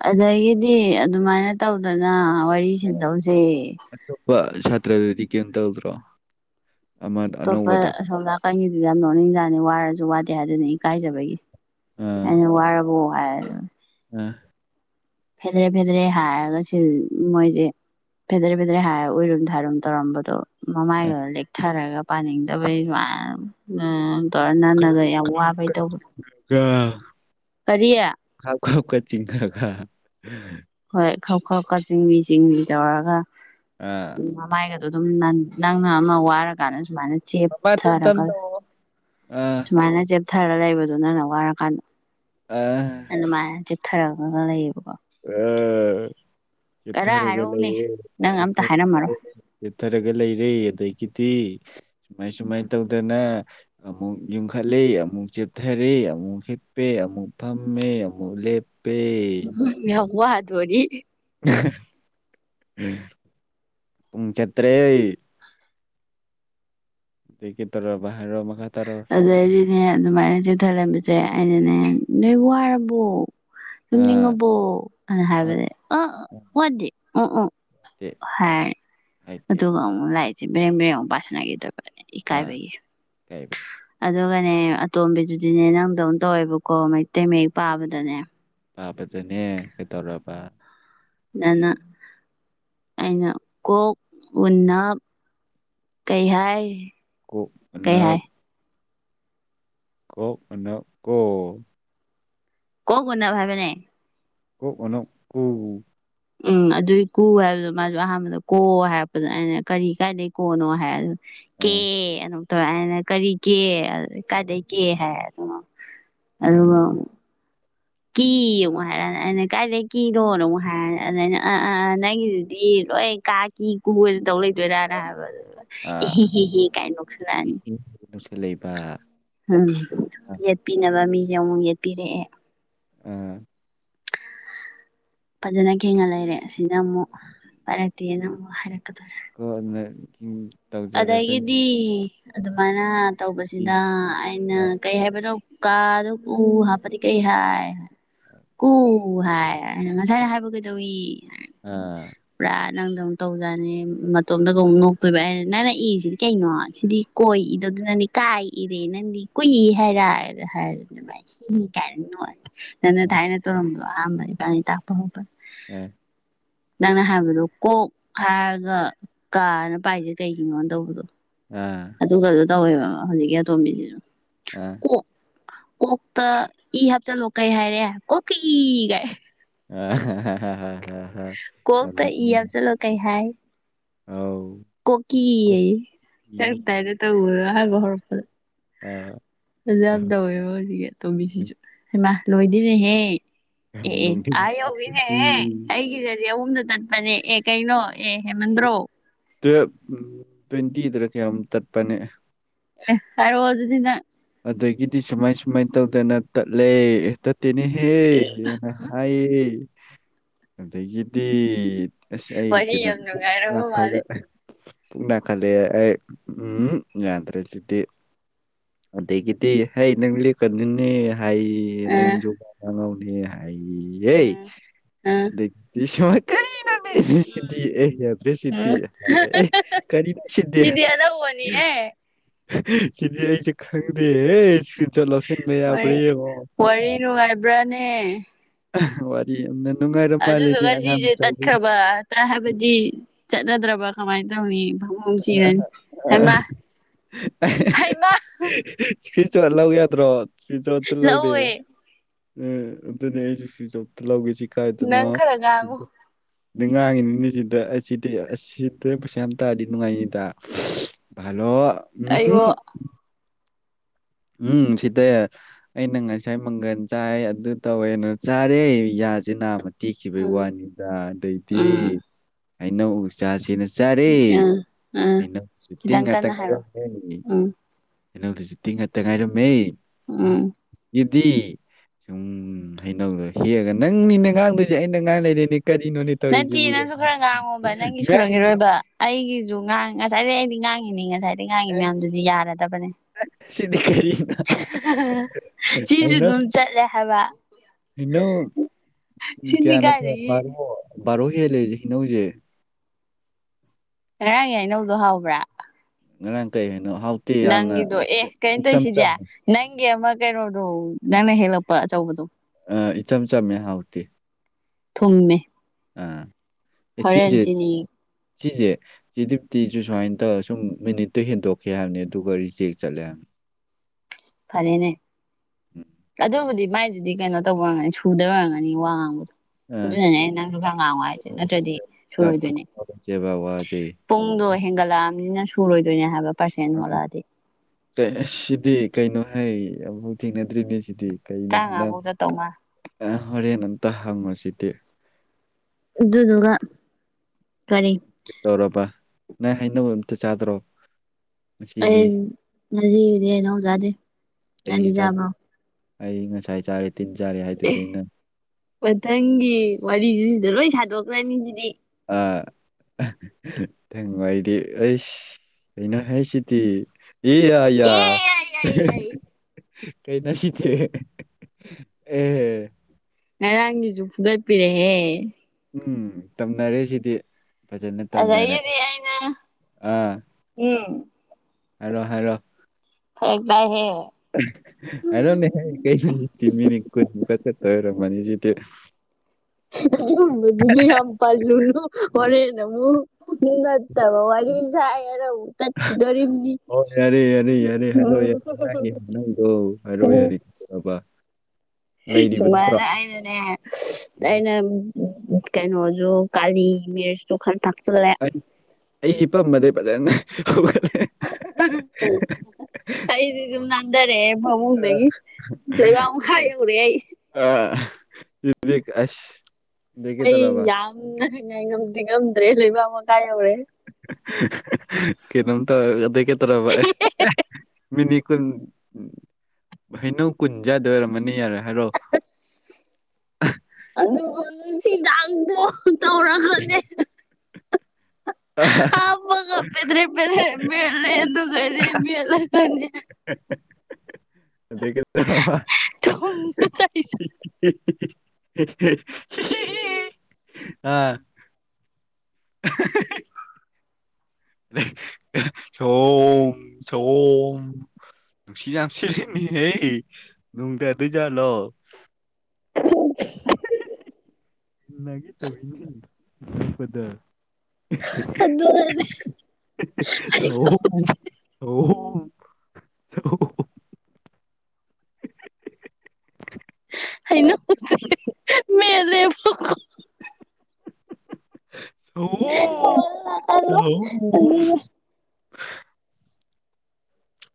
ꯑꯗꯒꯤꯗꯤ ꯑꯗꯨꯃꯥꯏꯅ ꯇꯧꯗꯅ ꯋꯥꯔꯤ ꯁꯤꯟꯇꯣꯛꯁꯦ ꯑꯇꯣꯞꯄ ꯁꯥꯇ꯭ꯔꯗꯨꯗꯤ ꯀꯌꯤꯝ ꯇꯧꯗ꯭ꯔꯣ ꯑꯃ ꯑꯇꯣꯞꯄ ꯑꯅꯧꯕꯗꯣ ꯑꯁꯣꯝ ꯅꯥꯀꯟꯒꯤꯗꯨꯗꯤ ꯌꯥꯝ ꯅꯣꯛꯅꯤꯡꯖꯥꯠꯅꯤ ꯋꯥꯔꯁꯨ ꯋꯥꯗꯦ ꯍꯥꯏꯗꯨꯅꯤ ꯏꯀꯥꯏꯖꯕꯒꯤ ꯑꯥ ꯑꯩꯅ ꯋꯥꯔꯕ꯭ꯔꯣ ꯍꯥꯏ ꯑ ꯐꯦꯗ꯭ꯔꯦ ꯐꯦꯗ꯭ꯔꯦ ꯍꯥꯏꯔꯒ ꯁꯤ ꯃꯣꯏꯖꯦ ꯐꯦꯗ꯭ꯔꯦ ꯐꯦꯗꯔꯦ ꯍꯥꯏꯔꯒ ꯎꯏꯔꯨꯝ ꯊꯥꯔꯨꯝ ꯇꯧꯔꯝꯕꯗꯣ ꯑꯥ ꯃꯃꯥꯏꯒ ꯂꯦꯛꯊꯔꯒ ꯄꯥꯅꯤꯡꯗꯕꯩ ꯃꯥꯏ ꯑ ꯑꯅꯪꯅꯒ ꯌꯥꯝ ꯋꯥꯕꯒꯤ ꯇꯧꯕꯗꯣ ꯀꯞꯀ ꯀꯔꯤ [unintelligible] ꯈꯞ ꯈꯞꯀ ꯆꯤꯡꯂꯤ ꯆꯤꯡꯂꯤ ꯇꯧꯔꯒ ꯑꯥ ꯃꯃꯥꯏꯒ ꯑ ꯑꯗꯨꯝ ꯅꯟ ꯅꯪꯅ ꯑꯃ ꯋꯥꯔꯀꯥꯟꯗ ꯁꯨꯃꯥꯏꯅ ꯆꯦꯞ ꯃꯃꯥ ꯇꯞ ꯊꯔꯒ ꯇꯞꯅ ꯇꯧꯑꯣ ꯑꯥ ꯁꯨꯃꯥꯏꯅ ꯆꯦꯞ ꯆꯦꯞꯊꯔ ꯂꯩꯕꯗꯣ ꯅꯪꯅ ꯋꯥꯔꯀꯥꯟꯗ ꯑꯥ ꯑꯗꯨꯃꯥꯏꯅ ꯆꯦꯞꯊꯔꯒꯒ ꯂꯩꯌꯦ ꯑ ꯀꯔ ꯆꯦꯞꯊꯔꯒ ꯍꯥꯏꯔꯛꯎꯅꯦ ꯂꯩꯌꯦ ꯅꯪ ꯑꯝꯇ ꯍꯥꯏꯔꯝꯃꯔꯣꯏ ꯆꯦꯞꯊꯔꯒ ꯆꯦꯞꯊꯔꯒ ꯂꯩꯔꯦ ꯑꯗꯩꯒꯤ ꯗꯤ ꯁꯨꯃꯥꯏ ꯁꯨꯃꯥꯏꯅ ꯇꯧꯗꯅ ꯑꯃꯨꯛ ꯌꯨꯡꯈꯠꯂꯦ ꯑꯃꯨꯛ ꯆꯦꯞꯊꯔꯦ ꯑꯃꯨꯛ ꯍꯤꯞꯄꯦ ꯑꯃꯨꯛ ꯐꯝꯃꯦ ꯑꯃꯨꯛ ꯂꯦꯞꯄꯦ ꯌꯥꯝ ꯋꯥꯗꯣꯔꯤ ꯑꯪ ꯍ ꯄꯨꯡ ꯆꯠꯇꯔꯦ ꯑꯗꯩ ꯀꯩꯗꯧꯔꯕ ꯍꯥꯏꯔꯛꯑꯣ ꯃꯈꯥ ꯇꯥꯔꯣ ꯑꯗꯩꯗꯤꯅꯦ ꯑꯗꯨꯃꯥꯏꯅ ꯆꯦꯞꯊꯔꯒ ꯂꯩꯔꯝꯕꯁꯦ ꯑꯩꯅꯅꯦ ꯅꯣꯏ ꯋꯥꯔꯕꯣ ꯑꯥ ꯇꯨꯝꯅꯤꯡꯉꯕꯣ ꯑ ꯍꯥꯏꯕꯁꯦ ꯑꯪ ꯋꯥꯗꯦ ꯎꯪ ꯎꯪ ꯅꯠꯇꯦ ꯍꯣꯏ ꯍꯥꯏꯗꯦ ꯑꯗꯨꯒ ꯑꯃꯨꯛ ꯂꯥꯏꯔꯤꯛꯁꯦ ꯕ꯭ꯔꯦꯡ ꯕ꯭ꯔꯦꯡ ꯑꯃꯨꯛ ꯄꯁꯤꯟꯅꯒꯤꯗꯨꯕ ꯑꯥ ꯏꯀꯥꯏꯕꯒꯤ ꯀꯥꯏꯕꯩ ꯑꯗꯨ ꯑꯗꯨꯒꯅꯦ ꯑꯇꯣꯝꯕꯤꯗꯨꯗꯤꯅꯦ ꯅꯪꯗꯧꯅ ꯇꯧꯋꯦꯕꯀꯣ ꯃꯩꯇꯩ ꯃꯌꯦꯛ ꯄꯥꯕꯗꯅꯦ ꯄꯥꯕꯗꯅꯦ ꯀꯩꯗꯧꯔꯕ ꯅꯅꯥ ꯑꯩꯅ ꯀꯣꯛ ꯎꯅꯞ ꯀꯩꯍꯥꯏ ꯀꯣꯛ ꯎꯅꯞ ꯀꯣꯛ ꯎꯅꯞ ꯀꯣ ꯀꯣꯛ ꯎꯅꯞ ꯍꯥꯏꯕꯅꯦ ꯀꯣꯛ ꯎꯅꯞ ꯀꯨ ꯎꯝ ꯑꯗꯨꯏ ꯀꯨ ꯍꯥꯏꯕꯗꯣ ꯃꯥꯖꯨ ꯑꯍꯥꯟꯕꯗ ꯀꯣ ꯍꯥꯏꯔꯛꯄꯗ ꯑꯩꯅ ꯀꯔꯤ ꯀꯥꯏꯗꯩ ꯀꯣꯅꯣ ꯍꯥꯏ ꯑꯗ ꯑ ꯀꯦ ꯑꯗꯨꯝ ꯇꯧꯔꯦ ꯑꯩꯅ ꯀꯔꯤ ꯀꯦ ꯀꯥꯏꯗꯩ ꯀꯦ ꯍꯥꯏ ꯑꯗꯨꯅꯣ ꯎꯝ ꯑꯗꯨꯒ ꯀꯤ ꯑꯃꯨꯛ ꯍꯥꯏꯔꯛꯅꯤ ꯑꯩꯅ ꯀꯥꯏꯗꯩ ꯀꯤꯅꯣꯅ ꯑꯃꯨꯛ ꯍꯥꯏꯔꯅꯤ ꯑꯗ ꯑꯩꯅ ꯑ ꯑꯥ ꯑꯥ ꯅꯪꯒꯤꯗꯨꯗꯤ ꯂꯣꯏ ꯑꯩꯅ ꯀꯥ ꯀꯤ ꯀꯨ ꯑꯅ ꯇꯧ ꯂꯩ ꯕꯦꯔꯥꯅꯤ ꯍꯥꯏꯕ ꯏ ꯑꯥ ꯍꯤ ꯍꯤ ꯍꯤ ꯀꯥꯏꯅ ꯅꯣꯛꯁꯤꯟꯂꯛꯑꯅꯤ ꯅꯨꯡꯁꯤꯠ ꯂꯩꯕ ꯎꯝ ꯌꯦꯠꯄꯤꯅꯕ ꯃꯤꯖꯦ ꯑꯃꯨꯛ ꯌꯦꯠꯄꯤꯔꯛꯑꯦ ꯑ ꯐꯖꯅ ꯈꯤꯡꯉ ꯂꯩꯔꯦ ꯑꯁꯤꯅ ꯑꯃꯨꯛ ꯄꯥꯏꯔꯛꯇꯦꯅ ꯑꯃꯨꯛ ꯍꯥꯏꯔꯛ [unintelligible] ꯑꯗꯒꯤꯗꯤ ꯑꯗꯨꯃꯥꯏꯅ ꯇꯧꯕꯁꯤꯗꯥ ꯑꯩꯅ ꯑꯥ ꯀꯩ ꯍꯥꯏꯕꯅꯣ ꯀꯥꯗ ꯎ ꯍꯥꯞꯄꯗꯤ ꯀꯩ ꯍꯥꯏ ꯀꯨ ꯍꯥꯏ ꯑꯩꯅ ꯉꯁꯥꯏꯅ ꯍꯥꯏꯕ ꯀꯩꯗꯧꯏ ꯑꯥ ꯅꯪꯗꯧ ꯇꯧꯖꯥꯅꯤ ꯃꯇꯣꯝꯇꯗꯒ ꯑꯃꯨꯛ ꯅꯣꯛꯇꯣꯏꯕ ꯑꯩꯅ ꯅꯪꯅ ꯏꯔꯤꯁꯤꯗꯤ ꯀꯩꯅꯣ ꯁꯤꯗꯤ ꯀꯣꯏ ꯏꯗꯧꯗꯅ ꯅꯪꯗꯤ ꯀꯥꯏ ꯏꯔꯦ ꯅꯪꯗꯤ ꯀꯨꯏ ꯍꯥꯏꯔ ꯍꯥꯏ ꯗꯨꯃꯥꯏ ꯍꯤꯍꯤ ꯀꯥꯏꯅ ꯅꯣꯛꯑ ꯅꯪꯅ ꯑꯥ ꯊꯥꯏꯅ ꯇꯧꯔꯝꯕꯗꯣ ꯑꯍꯥꯥꯟꯕ ꯏꯕꯥꯅꯤ ꯇꯥꯛꯄ ꯍꯧꯕ ꯎꯝ ꯅꯪꯅ ꯍꯥꯏꯕꯗꯣ ꯀꯣꯛ ꯍꯥꯏꯔꯒ ꯀꯥꯅ ꯄꯥꯏꯖꯦ ꯀꯩꯒꯤꯅꯣ ꯇꯧꯕꯗꯣ ꯑꯥ ꯑꯗꯨꯒꯗꯣ ꯇꯧꯋꯦꯕ ꯍꯧꯖꯤꯛꯀꯤ ꯑꯇꯣꯝꯕꯤꯖꯤꯖꯨ ꯑꯥ ꯀꯣꯛꯇ ꯏ ꯍꯥꯞꯆꯜꯂꯣ ꯀꯩ ꯍꯥꯏꯔꯦ ꯀꯣꯛꯀ ꯏ ꯒꯥꯏ ꯑꯥ ꯍꯥ ꯍꯥ ꯀꯣꯛ ꯇ ꯏ ꯍꯥꯞ ꯆꯤꯜꯂꯣ ꯀꯩ ꯍꯥꯏ ꯑꯎ ꯀꯣꯛꯀꯤ ꯑꯩꯌꯦ ꯅꯪ ꯇꯥꯏꯞꯇ ꯇꯧꯕꯗꯣ ꯑꯍꯥꯟꯕ ꯍꯧꯔꯛꯄꯗ ꯑꯥ ꯐꯖ ꯌꯥꯝ ꯇꯧꯋꯦꯕ ꯍꯧꯖꯤꯛꯀꯤ ꯑꯇꯣꯝꯕꯤꯖꯤꯖꯨ ꯍꯩꯃꯥ ꯂꯣꯏꯗꯦꯅꯦꯍꯦ ꯑꯦ ꯌꯥꯝ ꯑꯦ ꯅꯣꯛꯅꯤꯡꯉꯤ ꯑꯥ ꯌꯧꯒ꯭ꯔꯦꯅꯦꯍꯦ ꯑꯩꯒꯤꯗꯗꯤ ꯑꯍꯨꯝꯗ ꯆꯠꯄꯅꯦ ꯑꯦ ꯀꯩꯩꯅꯣ ꯑꯦ ꯍꯦꯃꯟꯗ꯭ꯔꯣ ꯇꯨꯌꯦꯞ ꯇ꯭ꯋꯦꯟꯇꯤꯗꯔꯥ ꯀꯌꯥꯝ ꯇꯠꯄꯅꯦ ꯑꯦ ꯍꯥꯏꯔꯛꯑꯣ ꯑꯗꯨꯗꯤ ꯅꯪ ꯑꯗꯒꯤꯗꯤ ꯁꯨꯃꯥꯏ ꯁꯨꯃꯥꯏ ꯇꯧꯗꯅ ꯇꯠꯂꯦ ꯇꯠ ꯇꯦꯅꯦꯍꯦ ꯌꯦꯅ ꯍꯥꯏꯌꯦ ꯑꯗꯒꯤꯗꯤ ꯑꯁ ꯑꯩ ꯋꯥꯔꯤ ꯀꯩꯅꯣ ꯌꯥꯝ ꯅꯨꯡꯉꯥꯏꯔꯕ ꯃꯥꯜꯂꯦ ꯈꯜꯂꯛ ꯑꯦ ꯄꯨꯛꯅꯥꯈꯠꯂꯦꯑꯦ ꯑꯩ ꯎꯝ ꯌꯥꯗ꯭ꯔꯦ ꯖꯤꯗꯤ ꯑꯗꯒꯤꯗꯤ ꯍꯩ ꯅꯪ ꯂꯤꯛꯀꯅꯨꯅꯦ ꯍꯥꯏꯌꯦꯌꯦ ꯑ ꯅꯪ ꯖꯨ ꯋꯥ ꯉꯥꯡꯉꯧꯅꯦ ꯍꯥꯏ ꯍꯩꯌꯦ ꯑ ꯑ ꯑꯗꯩꯇꯤ ꯁꯨꯃꯥꯏ ꯗ꯭ꯔꯦꯃꯤ ꯁꯤꯗꯤ ꯎꯝ ꯑꯦ ꯌꯥꯗ꯭ꯔꯦ ꯁꯤꯗꯤ ꯎꯝ ꯌꯥꯗ꯭ꯔꯦ ꯑꯦ ꯀꯔꯤꯅꯣ ꯁꯤꯗꯤ ꯄꯅꯤ ꯍꯦ ꯍꯦ ꯍꯦ ꯁꯤꯗꯤ ꯑꯩꯖꯨ ꯈꯪꯗꯦꯍꯦ ꯏꯁꯀ꯭ꯔꯤꯟ ꯂꯧꯁꯟꯕ ꯌꯥꯕ꯭ꯔ ꯌꯦꯡꯉꯣ ꯕ꯭ꯔꯅꯦ ꯋꯥꯔꯤ ꯑꯟꯗꯟ ꯑꯗꯨꯗꯨꯒ ꯁꯤꯁꯦ ꯇꯠꯈ꯭ꯔꯕ ꯍꯥꯏꯕꯗꯤ ꯆꯠꯅꯗ꯭ꯔꯕ ꯀꯃꯥꯏꯅ ꯇꯧꯅꯤ ꯄꯥꯕꯨꯡ ꯁꯤꯔꯅꯤ ꯑꯍꯦ ꯍꯩꯃꯥ ꯍꯦ ꯍꯩꯃꯥ ꯍꯦ ꯏꯁꯀ꯭ꯔꯤꯟ ꯁꯣꯠ ꯂꯧ ꯌꯥꯗ꯭ꯔꯣ ꯢꯁꯀ꯭ꯔꯤꯟ ꯁꯣꯠ ꯇꯨꯅꯦ ꯑꯝ ꯂꯧꯋꯦ ꯑꯗꯨꯅꯦ ꯑꯩꯁꯨ ꯢꯁꯀ꯭ꯔꯤꯟ ꯔꯥꯑꯝꯇ ꯂꯧꯒꯦ ꯁꯤ ꯀꯥꯏꯗꯅꯣ ꯅꯪ ꯈꯔ ꯉꯥꯡꯉꯨ ꯑꯗꯨ ꯉꯥꯡꯉꯤꯅꯤꯅꯦ ꯁꯤꯗ ꯑꯁꯤꯗꯤ ꯑꯁꯤꯗ ꯄꯩꯁꯥ ꯌꯥꯝ ꯇꯥꯔꯤ ꯅꯨꯡꯉꯥꯏꯅꯤꯗ ꯚꯂꯣ ꯑꯌꯣ ꯎꯝ ꯁꯤꯗ ꯑꯩꯅ ꯉꯁꯥꯏ ꯃꯪꯒꯜ ꯆꯥꯏ ꯑꯗꯨ ꯇꯧꯋꯦꯅ ꯆꯥꯔꯦ ꯌꯖꯤ ꯅꯥꯝꯃ ꯇꯦꯛꯈꯤꯕꯒꯤ ꯎꯝ ꯋꯥꯅꯤꯗ ꯑꯗꯩꯗꯤ ꯎꯝ ꯍꯩꯅꯧ ꯑꯣꯏꯅ ꯆꯁꯤꯅ ꯆꯔꯦ ꯎꯝ ꯎꯝ ꯑꯩꯅ ꯇꯤꯟ ꯈꯤꯇꯪ ꯉꯥꯛꯇ ꯀꯟꯅ ꯍꯥꯏꯔꯛꯑꯣ ꯉꯥꯢꯔꯝꯃꯦ ꯎꯝ ꯍꯩꯅꯧ ꯗꯨꯖꯨ ꯇꯤꯟ ꯉꯥꯇꯥ ꯉꯥꯏꯔꯝ ꯃꯦ ꯎꯝ ꯒꯤꯗꯤ ꯁꯨꯝ ꯍꯩꯅꯧꯗꯣ ꯍꯦꯛꯑꯒ ꯅꯪꯅꯤꯅꯦ ꯉꯥꯡꯗꯣꯏꯁꯦ ꯑꯩꯅ ꯉꯥꯡ ꯂꯩꯔꯦꯅꯦ ꯀꯔꯤꯅꯣꯅꯦ ꯅꯠꯇꯦ ꯇꯧꯔꯤꯁꯤꯕꯨ ꯅꯪꯁꯨ ꯈꯔ ꯉꯥꯡꯉꯣꯕ ꯅꯪꯒꯤ ꯁꯨꯔꯝꯒꯤ ꯔꯣꯏꯕ ꯑꯩꯒꯤꯁꯨ ꯉꯥꯡ ꯉꯁꯥꯏꯗꯤ ꯑꯩꯗꯤ ꯉꯥꯡꯉꯤꯅꯤ ꯉꯁꯥꯏꯗꯩ ꯉꯥꯡꯉꯤ ꯃꯌꯥꯝꯗꯨꯗꯤ ꯌꯥꯔꯗꯕꯅꯦ ꯁꯤꯗꯤ ꯀꯔꯤꯅꯣ ꯍꯥꯍꯥꯍꯥ ꯁꯤꯁꯨ ꯑꯗꯨꯝ ꯆꯠꯂꯦ ꯍꯥꯏꯕ ꯏꯩꯅꯣ ꯀꯌꯥ ꯁꯤꯗꯤ [unintelligible] ꯀꯥꯏꯗꯒꯤ ꯕꯥꯔꯣ ꯍꯦꯜꯂꯦꯁꯦ ꯍꯅꯧꯁꯦ ꯉꯔꯥꯡꯒꯤ ꯍꯩꯅꯧꯗꯣ ꯍꯥꯎꯕ꯭ꯔ ꯉꯔꯥꯡ ꯀꯩ ꯍꯩ ꯅꯪꯒꯤꯗꯣ ꯑꯦ ꯀꯩꯇꯧꯔꯤꯁꯤꯗꯤ ꯆꯝꯃꯦ ꯅꯪꯒꯤ ꯑꯃ ꯀꯩꯅꯣꯗꯣ ꯅꯪꯅ ꯍꯦꯜꯂꯛꯄ ꯑꯆꯧꯕꯗꯣ ꯑ ꯏꯆꯝ ꯆꯝꯃꯦ ꯍꯥꯎꯇꯦ ꯊꯨꯝꯃꯦ ꯑ ꯍꯣꯔꯦꯟ ꯑꯩꯁꯤꯖ ꯆꯤꯅꯤ ꯁꯤꯁꯦ ꯁꯤ ꯇꯤꯁꯨ ꯁꯨꯃꯥꯏꯅ ꯇꯧꯔꯒ ꯁꯨꯝ ꯃꯤꯅꯤꯠꯇꯨ ꯍꯦꯟꯗꯣꯛꯈꯤ ꯍꯥꯏꯕꯅꯤ ꯑꯗꯨꯒ ꯔꯤꯖꯦꯛ ꯆꯠꯂꯦ ꯍꯥꯏꯕꯅꯤ [unintelligible] ꯐꯔꯦꯅꯦ ꯑꯗꯨꯕꯨꯗꯤ ꯃꯥꯏꯗꯨꯗꯤ ꯀꯩꯅꯣ ꯇꯧꯕ ꯑꯣꯢꯔꯝꯒꯅꯤ ꯁꯨꯗꯕꯩ ꯑꯣꯢꯔꯝꯅꯤ ꯋꯥꯡ ꯉꯥꯡꯕꯗꯣ ꯎꯝ ꯑꯗꯨꯅꯅꯦ ꯑꯩꯅ ꯅꯪꯁꯨ ꯈꯔ ꯉꯥꯡꯉꯣ ꯍꯥꯏꯁꯦ ꯑ ꯅꯠꯇ꯭ꯔꯗꯤ ꯁꯤꯗ ꯁꯤꯗ ꯁꯨꯔꯣꯏꯗꯣꯏꯅꯦ ꯐꯨꯀꯠꯅꯔꯁꯦꯕ ꯋꯥꯁꯦ ꯄꯨꯡꯗꯣ ꯍꯦꯟꯒꯠꯂꯛꯑꯕꯅꯤꯅ ꯁꯨꯔꯣꯏꯗꯣꯏꯅꯦ ꯍꯥꯏꯕ ꯄꯥꯔꯁꯦꯟ ꯍꯣꯜꯂꯛꯑꯗꯤ ꯑ ꯁꯤꯗꯤ ꯀꯩꯅꯣ ꯍꯥꯏ ꯑꯃꯐꯥꯎ ꯊꯦꯡꯅꯗ꯭ꯔꯤꯅꯦ ꯁꯤꯗꯤ ꯀꯩꯅꯣ ꯅꯪ ꯇꯔꯥꯃꯉꯥꯐꯧ ꯆꯠꯇꯧ ꯃꯥꯜꯂꯦ ꯍꯣꯔꯦꯟ ꯑꯝꯇ ꯍꯪꯉꯣꯁꯤꯗꯤ ꯑꯗꯨꯗꯨꯒ ꯀꯔꯤ ꯀꯩ ꯇꯧꯔꯕ ꯅꯪ ꯍꯩꯅꯧ ꯑꯝꯇ ꯆꯥꯗ꯭ꯔꯣ ꯑꯩ ꯉꯁꯤꯒꯤ ꯉꯖꯤꯒꯤꯗꯤ ꯍꯩꯅꯧ ꯖꯗꯦ ꯅꯪꯗꯤ ꯑꯩꯒꯤ ꯆꯥꯗ ꯆꯕ꯭ꯔꯣ ꯑꯩ ꯉꯁꯥꯏ ꯆꯥꯔꯦ ꯇꯤꯟ ꯆꯥꯔꯦ ꯍꯥꯏꯗꯨꯗꯤ ꯑꯩꯅ ꯃꯊꯪꯒꯤ ꯋꯥꯔꯤꯖꯨ ꯁꯤꯗ ꯂꯣꯏ ꯁꯥꯗꯣꯛꯈ꯭ꯔꯅꯤ ꯁꯤꯗꯤ ꯑꯥ ꯅꯪ ꯋꯥꯔꯤꯗꯤ ꯑꯥꯁ ꯀꯩꯅꯣ ꯍꯦ ꯁꯤꯗꯤ ꯏ ꯌꯥ ꯌꯥ ꯑꯦ ꯑꯩ ꯑꯩ ꯑꯩ ꯀꯩ ꯅꯣꯁꯤꯗꯤ ꯑꯦ ꯉꯔꯥꯡꯒꯤꯁꯨ ꯐꯨꯗꯠꯄꯤꯔꯦꯍꯦ ꯎꯝ ꯇꯝꯅꯔꯦ ꯁꯤꯗꯤ ꯐꯖꯅ ꯇꯝꯅꯔꯦ ꯑꯗꯒꯤꯗꯤ ꯑꯩꯅ ꯑꯥ ꯎꯝ ꯍꯥꯏꯔꯣ ꯍꯥꯏꯔꯣ ꯐꯔꯛꯇꯥꯢ ꯍꯦ ꯍꯥꯢꯔꯛ ꯑꯣ ꯅꯦꯍꯦ ꯀꯩꯅꯣꯅꯦ ꯍꯥꯏ ꯀꯩꯃꯤꯅꯤ ꯀꯨꯟ ꯈꯛꯇ ꯆꯠ ꯁꯨꯔꯝ ꯃꯅꯤ ꯁꯤꯗꯤ ꯑꯗꯨꯉꯨꯝꯕꯗꯨꯗꯤ ꯌꯥꯝ ꯄꯂꯨꯅꯨ ꯍꯣꯔꯦꯟ ꯑꯃꯨꯛ ꯅꯠꯇꯕ ꯋꯥꯔꯤ ꯁꯥꯢꯅ ꯑꯃꯨꯛ ꯇꯠꯈꯤꯗꯣꯔꯤꯕꯅꯤ ꯑꯣ ꯌꯔꯦ ꯌꯔꯦ ꯌꯔꯦ ꯍꯥꯏꯔꯣ ꯌꯔꯦ ꯍꯥꯏꯅꯤ ꯍꯥꯏꯅꯧꯗꯣ ꯍꯥꯏꯔꯣꯑꯣ ꯌꯥꯔꯦ [unintelligible] ꯕꯥ ꯁꯨꯃꯥꯏꯅ ꯑꯩꯅꯅꯦ ꯑꯩꯅ ꯎ ꯀꯩꯅꯣꯖꯨ ꯀꯥꯔꯤ ꯃꯦꯁꯠꯁꯨ ꯈꯔ ꯇꯥꯛꯁꯜꯂꯦ ꯑꯩ ꯑꯩ ꯍꯝꯄꯝꯕꯗꯩ ꯐꯖꯅ ꯍꯧꯒꯠ [unintelligible] ꯑꯩꯗꯤ ꯁꯨꯝ ꯅꯥꯟꯊꯛꯑꯦ ꯐꯃꯨꯡꯗꯒꯤ ꯂꯩꯕꯛ ꯃꯈꯥ ꯌꯧꯔꯦ ꯑꯩ ꯑꯥ [unintelligible] ꯑꯁ ꯑꯗꯒꯤ ꯑꯩ ꯇꯧꯔꯕ ꯌꯥꯝꯅ ꯉꯥꯏꯉꯝꯁꯤꯡꯉꯝꯗ꯭ꯔꯦ ꯂꯩꯕꯥꯛ ꯃꯈꯥ ꯌꯧꯔꯦ ꯀꯩꯅꯣꯝꯇꯧꯔ ꯑꯗꯩꯀꯩꯇꯧꯔꯕ ꯑꯦ ꯃꯤꯅꯤꯠ ꯀꯨꯟ ꯍꯩꯅꯧ ꯀꯨꯟꯆꯥꯗꯣꯏ ꯑꯣꯏꯔꯝꯃꯅꯤ ꯌꯥꯔꯦ ꯍꯥꯏꯔꯛꯑꯣ ꯑꯁ ꯑꯗꯨꯕꯨ ꯅꯨꯡꯁꯤꯗꯥꯛꯇꯣ ꯇꯧꯔꯒꯅꯦ ꯍꯞꯄꯒ ꯄꯦꯗ꯭ꯔꯦ ꯄꯦꯗ꯭ꯔꯦ ꯃꯦꯠꯂꯦ ꯑꯗꯨꯒꯅꯦ ꯃꯦꯠꯂꯒꯅꯦ ꯍ ꯍ ꯍ ꯍ ꯍ ꯑꯗꯩ ꯀꯩꯗꯧꯔꯕ ꯊꯨꯝꯁꯨ ꯇꯩꯁꯨ [unintelligible] ꯑꯥ ꯁꯑꯣꯝ ꯁꯑꯣꯝ ꯅꯨꯡꯁꯤꯠ ꯌꯝ ꯁꯤꯠꯅꯤ ꯍꯦ ꯅꯣꯡ ꯇꯥꯇꯣꯏꯖꯠ ꯂꯣ ꯅꯪꯒꯤ ꯑꯗꯨꯒꯅꯦ [unintelligible] ꯑꯣ ꯑꯣ ꯑꯣ ꯍꯩꯅꯧꯁꯦ ꯃꯩꯠꯂꯦꯕ ꯀꯣ ꯍ ꯍꯣ ꯀꯣꯜꯂꯒ ꯁꯑꯣꯝ ꯁꯑꯣꯝ ꯑꯗꯨꯒ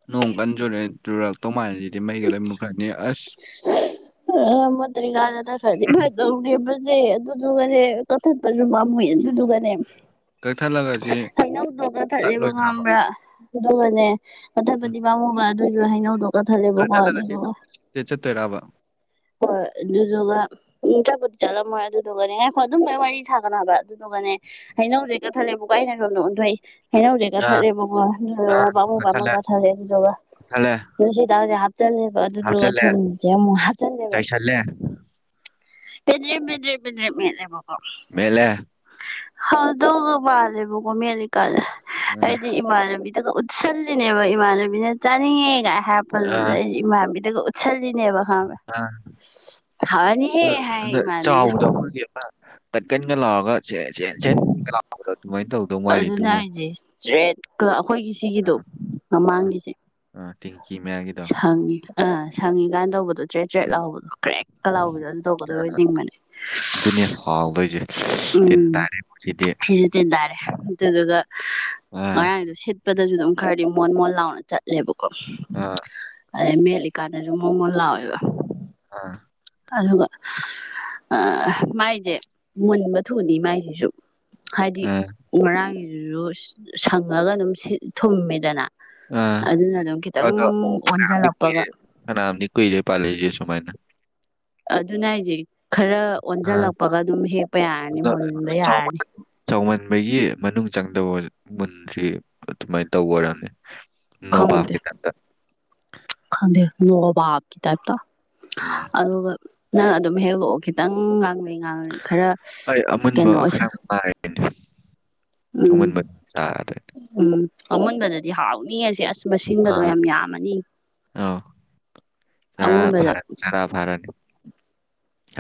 ꯅꯣꯡ ꯀꯟꯆꯨꯔ ꯆꯨꯔꯛ ꯇꯣ ꯃꯜꯂꯤ [unintelligible] ꯑ ꯃꯄꯠꯇ꯭ꯔꯤꯉꯩꯗ ꯆꯠꯈ꯭ꯔꯗꯤ ꯐꯗꯧꯅꯦꯕ ꯁꯦ ꯑꯗꯨꯗꯨꯒꯅꯦ ꯀꯛꯊꯠꯄꯁꯨ ꯄꯥꯃꯨꯏ ꯑꯗꯨꯗꯨꯒꯅꯦ ꯀꯛꯊꯠꯂꯒ ꯁꯤ ꯍꯩꯅꯧꯗꯣ ꯀꯛ ꯊꯠꯂꯦꯕ ꯇꯠꯂꯣꯏꯗ꯭ꯔꯕ ꯉꯝꯕ꯭ꯔꯥ ꯑꯗꯨꯒꯅꯦ ꯀꯛꯊꯠꯕꯗꯤ ꯄꯥꯝꯃꯨꯕ ꯑꯗꯨꯕꯨ ꯍꯩꯅꯧꯗꯣ ꯀꯛꯊꯜꯂꯦꯕ ꯀꯛꯊꯠꯂꯥꯒꯁꯨ ꯆꯠꯇꯣꯏꯔꯕ ꯍꯣꯏ ꯑꯗꯨꯗꯨꯒ ꯆꯄꯨꯗꯤ ꯆꯠꯂꯝꯃꯣꯏ ꯑꯗꯨꯗꯨꯒꯅꯦ ꯉꯥꯏꯈꯣ ꯑꯗꯨꯝ ꯋꯥꯔꯤ ꯁꯥꯒꯅꯣ ꯍꯥꯢꯕ ꯑꯗꯨꯗꯨ ꯍꯧꯅꯧꯁꯦ ꯀꯛꯊꯠꯂꯦꯕꯀꯣ ꯑꯩꯅ ꯁꯣꯝꯗ ꯑꯣꯟꯊꯣꯛꯏ ꯍꯩꯅꯧꯁꯦ ꯑꯥ ꯀꯛꯊꯠꯂꯦꯕꯀꯣ ꯑꯗꯨꯗꯨꯒ ꯄꯃꯨ ꯄꯃꯨ ꯀꯛꯊꯠꯂꯦ ꯑꯗꯨꯗꯨꯒ ꯀꯛꯊꯠꯂꯦ ꯁꯤ ꯇꯔꯁꯦ ꯆꯠꯂꯦꯕ ꯑꯗꯨꯗꯨꯒ ꯊꯨꯝꯁꯦ ꯑꯃꯨꯛ ꯍꯥꯞ ꯆꯥꯏꯁꯜꯂꯦ ꯄꯦꯗ꯭ꯦꯔꯝ ꯄꯦꯗ꯭ꯦꯔꯝ ꯄꯦꯗ꯭ꯦꯔꯝ ꯃꯦꯠ ꯂꯦꯕꯀꯣ ꯃꯦꯠꯂꯦ ꯍꯧꯗꯧꯒ ꯃꯥꯜꯂꯦꯕꯀꯣ ꯃꯤꯠꯂꯤꯀꯟꯗ ꯑꯥ ꯑꯩꯗꯤ ꯏꯃꯥꯟꯅꯕꯤ ꯑꯗꯨꯒ ꯎꯠꯁꯜꯂꯤꯅꯦꯕ ꯏꯃꯥꯟꯅꯕꯤꯅ ꯆꯥꯅꯤꯡꯉꯦꯒꯥꯏ ꯍꯥꯏꯔꯛꯄꯗꯨꯗ ꯑꯩ ꯏꯃꯥꯟꯅꯕꯤꯗ ꯑꯗꯨ ꯎꯠꯁꯜꯅꯤꯅꯦꯕ ꯑ ꯔ ꯍꯥꯏ ꯔ ꯏꯃꯥꯟꯅꯕꯤꯅ ꯆ ꯥꯎꯕꯗꯣ ꯑꯩꯈꯣꯏꯒꯤ ꯑꯃ ꯀꯟ ꯀꯟ ꯒ ꯂꯧꯔꯒ ꯁꯦ ꯁꯦ ꯁꯦꯟ ꯀꯥꯅꯥ ꯂꯧꯔꯒ ꯑꯗꯨꯃꯥꯏꯅ ꯇꯧꯗꯧ ꯑꯗꯨꯅ ꯃꯥꯜꯂꯤꯗꯨꯒ ꯎꯝ ꯍꯥꯏꯁꯦ ꯃꯃꯥꯥꯡꯒꯤꯁꯦ ꯃꯌꯥꯒꯤꯗꯣ ꯁꯪꯉꯤ ꯑꯥ ꯁꯪꯉꯤ ꯀꯟ ꯇꯧꯕꯗꯣ ꯇ꯭ꯔꯦꯠ ꯇ꯭ꯔꯦꯠ ꯎꯝ ꯂꯥꯎꯕꯗꯣ ꯀ꯭ꯔꯦꯛ ꯀꯂꯥꯎꯕꯤꯗ ꯑꯗꯨ ꯇꯧꯒꯗꯣꯏ ꯑꯣꯏꯅꯤꯡꯕꯅꯦ ꯑꯗꯨꯅꯦ ꯍꯥꯎꯗꯣꯏꯁꯦ ꯇꯤꯟ ꯎꯝ ꯇꯥꯔꯦꯕ ꯁꯤꯗꯤ ꯐꯤꯖꯦ ꯇꯤꯟ ꯇꯥꯔꯦ ꯑꯗꯨꯗꯨꯒ ꯑꯥ ꯉꯔꯥꯡꯁꯨ ꯁꯤꯠꯄꯗꯁꯨ ꯑꯗꯨꯝ ꯈꯔꯗꯤ ꯃꯣꯟ ꯃꯣꯟ ꯂꯥꯎꯅ ꯆꯠꯂꯦꯕ ꯑꯁ ꯑꯥ ꯑꯗꯩ ꯃꯦꯠꯂꯤꯀꯥꯗꯅ ꯃꯣꯟ ꯃꯣꯟ ꯂꯥꯎꯑꯦꯕ ꯑꯥ ꯑꯗꯨꯒ ꯑ ꯃꯥꯏꯁꯦ ꯃꯨꯟꯕ ꯊꯨꯅꯤ ꯃꯥꯏꯁꯤꯁꯨ ꯍꯥꯏꯗꯤ ꯑꯥ ꯉꯔꯥꯡꯒꯤꯗꯨꯁꯨ ꯁꯪꯉꯒ ꯑꯗꯨꯝ ꯁꯤ ꯊꯨꯝꯃꯤꯗꯅ ꯑꯥ ꯑꯗꯣ ꯐꯅꯌꯥꯝꯗꯤ ꯑꯣꯟꯁꯤꯜꯂꯛꯄꯒ ꯀꯨꯢꯔꯦ ꯐꯅꯌꯥꯝꯗꯤ ꯀꯨꯢꯔꯦ ꯑꯗꯨ ꯄꯥꯂꯛꯏꯁꯦ ꯁꯨꯃꯥꯏꯅ ꯑꯗꯨꯅ ꯑꯩꯁꯦ ꯈꯔ ꯑꯥ ꯑꯣꯟꯁꯤꯜꯂꯛꯄꯒ ꯑꯗꯨꯝ ꯍꯦꯛꯄ ꯌꯥꯔꯅꯤ ꯑꯗꯣ ꯃꯨꯟꯕ ꯆꯥꯎꯃꯟ ꯌꯥꯔꯅꯤ ꯆꯥꯎꯃꯟꯕꯒꯤ ꯃꯅꯨꯡ ꯆꯪꯗꯕ ꯃꯨꯟꯗ꯭ꯔꯤ ꯑꯗꯨꯃꯥꯏꯅ ꯇꯧꯕ ꯑꯣꯏꯔꯝꯅꯤ ꯈꯪꯗꯦ ꯅꯣꯕꯥꯞꯀꯤ ꯇꯥꯏꯞꯇ ꯈꯪꯗꯦ ꯅꯣꯕꯥꯞꯀꯤ ꯇꯥꯏꯞꯇ ꯎꯝ ꯑꯗꯨꯒ ꯅꯪ ꯑꯗꯨꯝ ꯍꯦꯛꯂꯛꯑꯣ ꯈꯤꯇꯪ ꯉꯥꯡ ꯗꯤ ꯉꯥꯡꯂꯤ ꯈꯔ ꯑꯩ ꯑꯃꯨꯟꯕ ꯀꯩꯅꯣ ꯑꯣꯏꯁ ꯈꯔ ꯉꯥꯏ ꯎꯝ ꯑꯃꯨꯟꯕ ꯆꯥꯔꯗꯤ ꯎꯝ ꯑꯃꯨꯟꯕꯗꯗꯤ ꯍꯥꯎꯅꯤ ꯑꯁ ꯃꯁꯤꯡꯒꯗꯣ ꯑꯥ ꯌꯥꯝ ꯌꯥꯝꯃꯅꯤ ꯆꯥꯔꯥ ꯑꯃꯨꯟꯕꯗ ꯐꯥꯔꯦ ꯆꯥꯔꯥ ꯐꯥꯔꯦ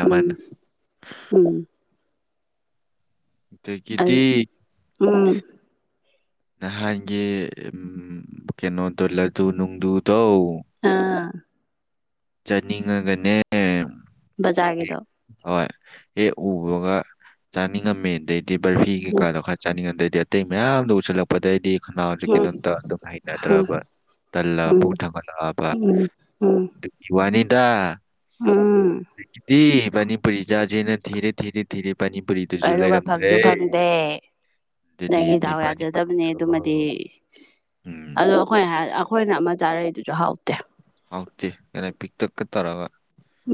ꯎꯝ ꯎꯝ ꯑꯗꯒꯤꯗꯤ ꯎꯝ ꯅꯍꯥꯟꯒꯤ ꯀꯩꯅꯣꯗꯣ ꯂꯗꯨ ꯅꯨꯡꯗꯨꯗꯣ ꯑꯥ ꯆꯠꯅꯤꯡꯉꯒꯅꯦ ꯕꯖꯥꯔꯒꯤꯗꯣ ꯍꯣꯏ ꯍꯦꯛ ꯎꯕꯒ ꯆꯥꯅꯤꯡꯉꯝꯃꯤ ꯑꯗꯩꯗꯤ ꯕꯔꯐꯤ ꯎꯝ ꯀꯩꯀꯥꯗꯣ ꯈꯔ ꯆꯥꯅꯤꯡꯉꯝ ꯑꯗꯩꯗꯤ ꯑꯇꯩ ꯃꯌꯥꯝꯗ ꯎꯁꯤꯜꯂꯛꯄꯗꯩꯗꯤ ꯈꯅꯥꯎꯖꯤ ꯎꯝ ꯀꯩꯅꯣꯝ ꯇꯧꯔ ꯑꯗꯨꯝ ꯎꯝ ꯍꯩꯅꯗ꯭ꯔꯕ ꯇꯜꯂ ꯎꯝ ꯄꯨꯛ ꯊꯥꯡꯒꯠꯂꯛꯑꯕ ꯎꯝ ꯎꯝ ꯑꯗꯨꯒꯤ ꯎꯝ ꯑꯗꯒꯤꯗꯤ ꯃꯤꯅꯤꯄꯨꯔꯤ ꯆꯥꯁꯦꯅ ꯊꯤꯔꯦ ꯊꯤꯔꯦ ꯊꯤꯔꯦ ꯄꯥꯅꯤꯄꯨꯔꯤꯗꯨꯁꯨ ꯑꯗꯨꯒ ꯂꯩꯔꯝꯗ꯭ꯔꯦ ꯐꯪꯁꯨ ꯐꯪꯗꯦ ꯑꯗꯨꯅꯤ ꯅꯪꯒꯤ ꯑꯗꯨꯏ ꯗꯥꯎ ꯌꯥꯖꯗꯕꯅꯦ ꯄꯥꯅꯤꯄꯨꯔꯤꯗꯣ ꯑꯗꯨꯃꯗꯤ ꯎꯝ ꯑꯗꯣ ꯑꯩꯈꯣꯏꯅ ꯍꯥꯏꯔ ꯑꯩꯈꯣꯏꯅ ꯆꯥꯔꯛꯏꯗꯨꯁꯨ ꯍꯥꯎꯇꯦ ꯈꯔꯥ ꯄꯤꯛꯇꯛꯀ ꯇꯩꯔꯒ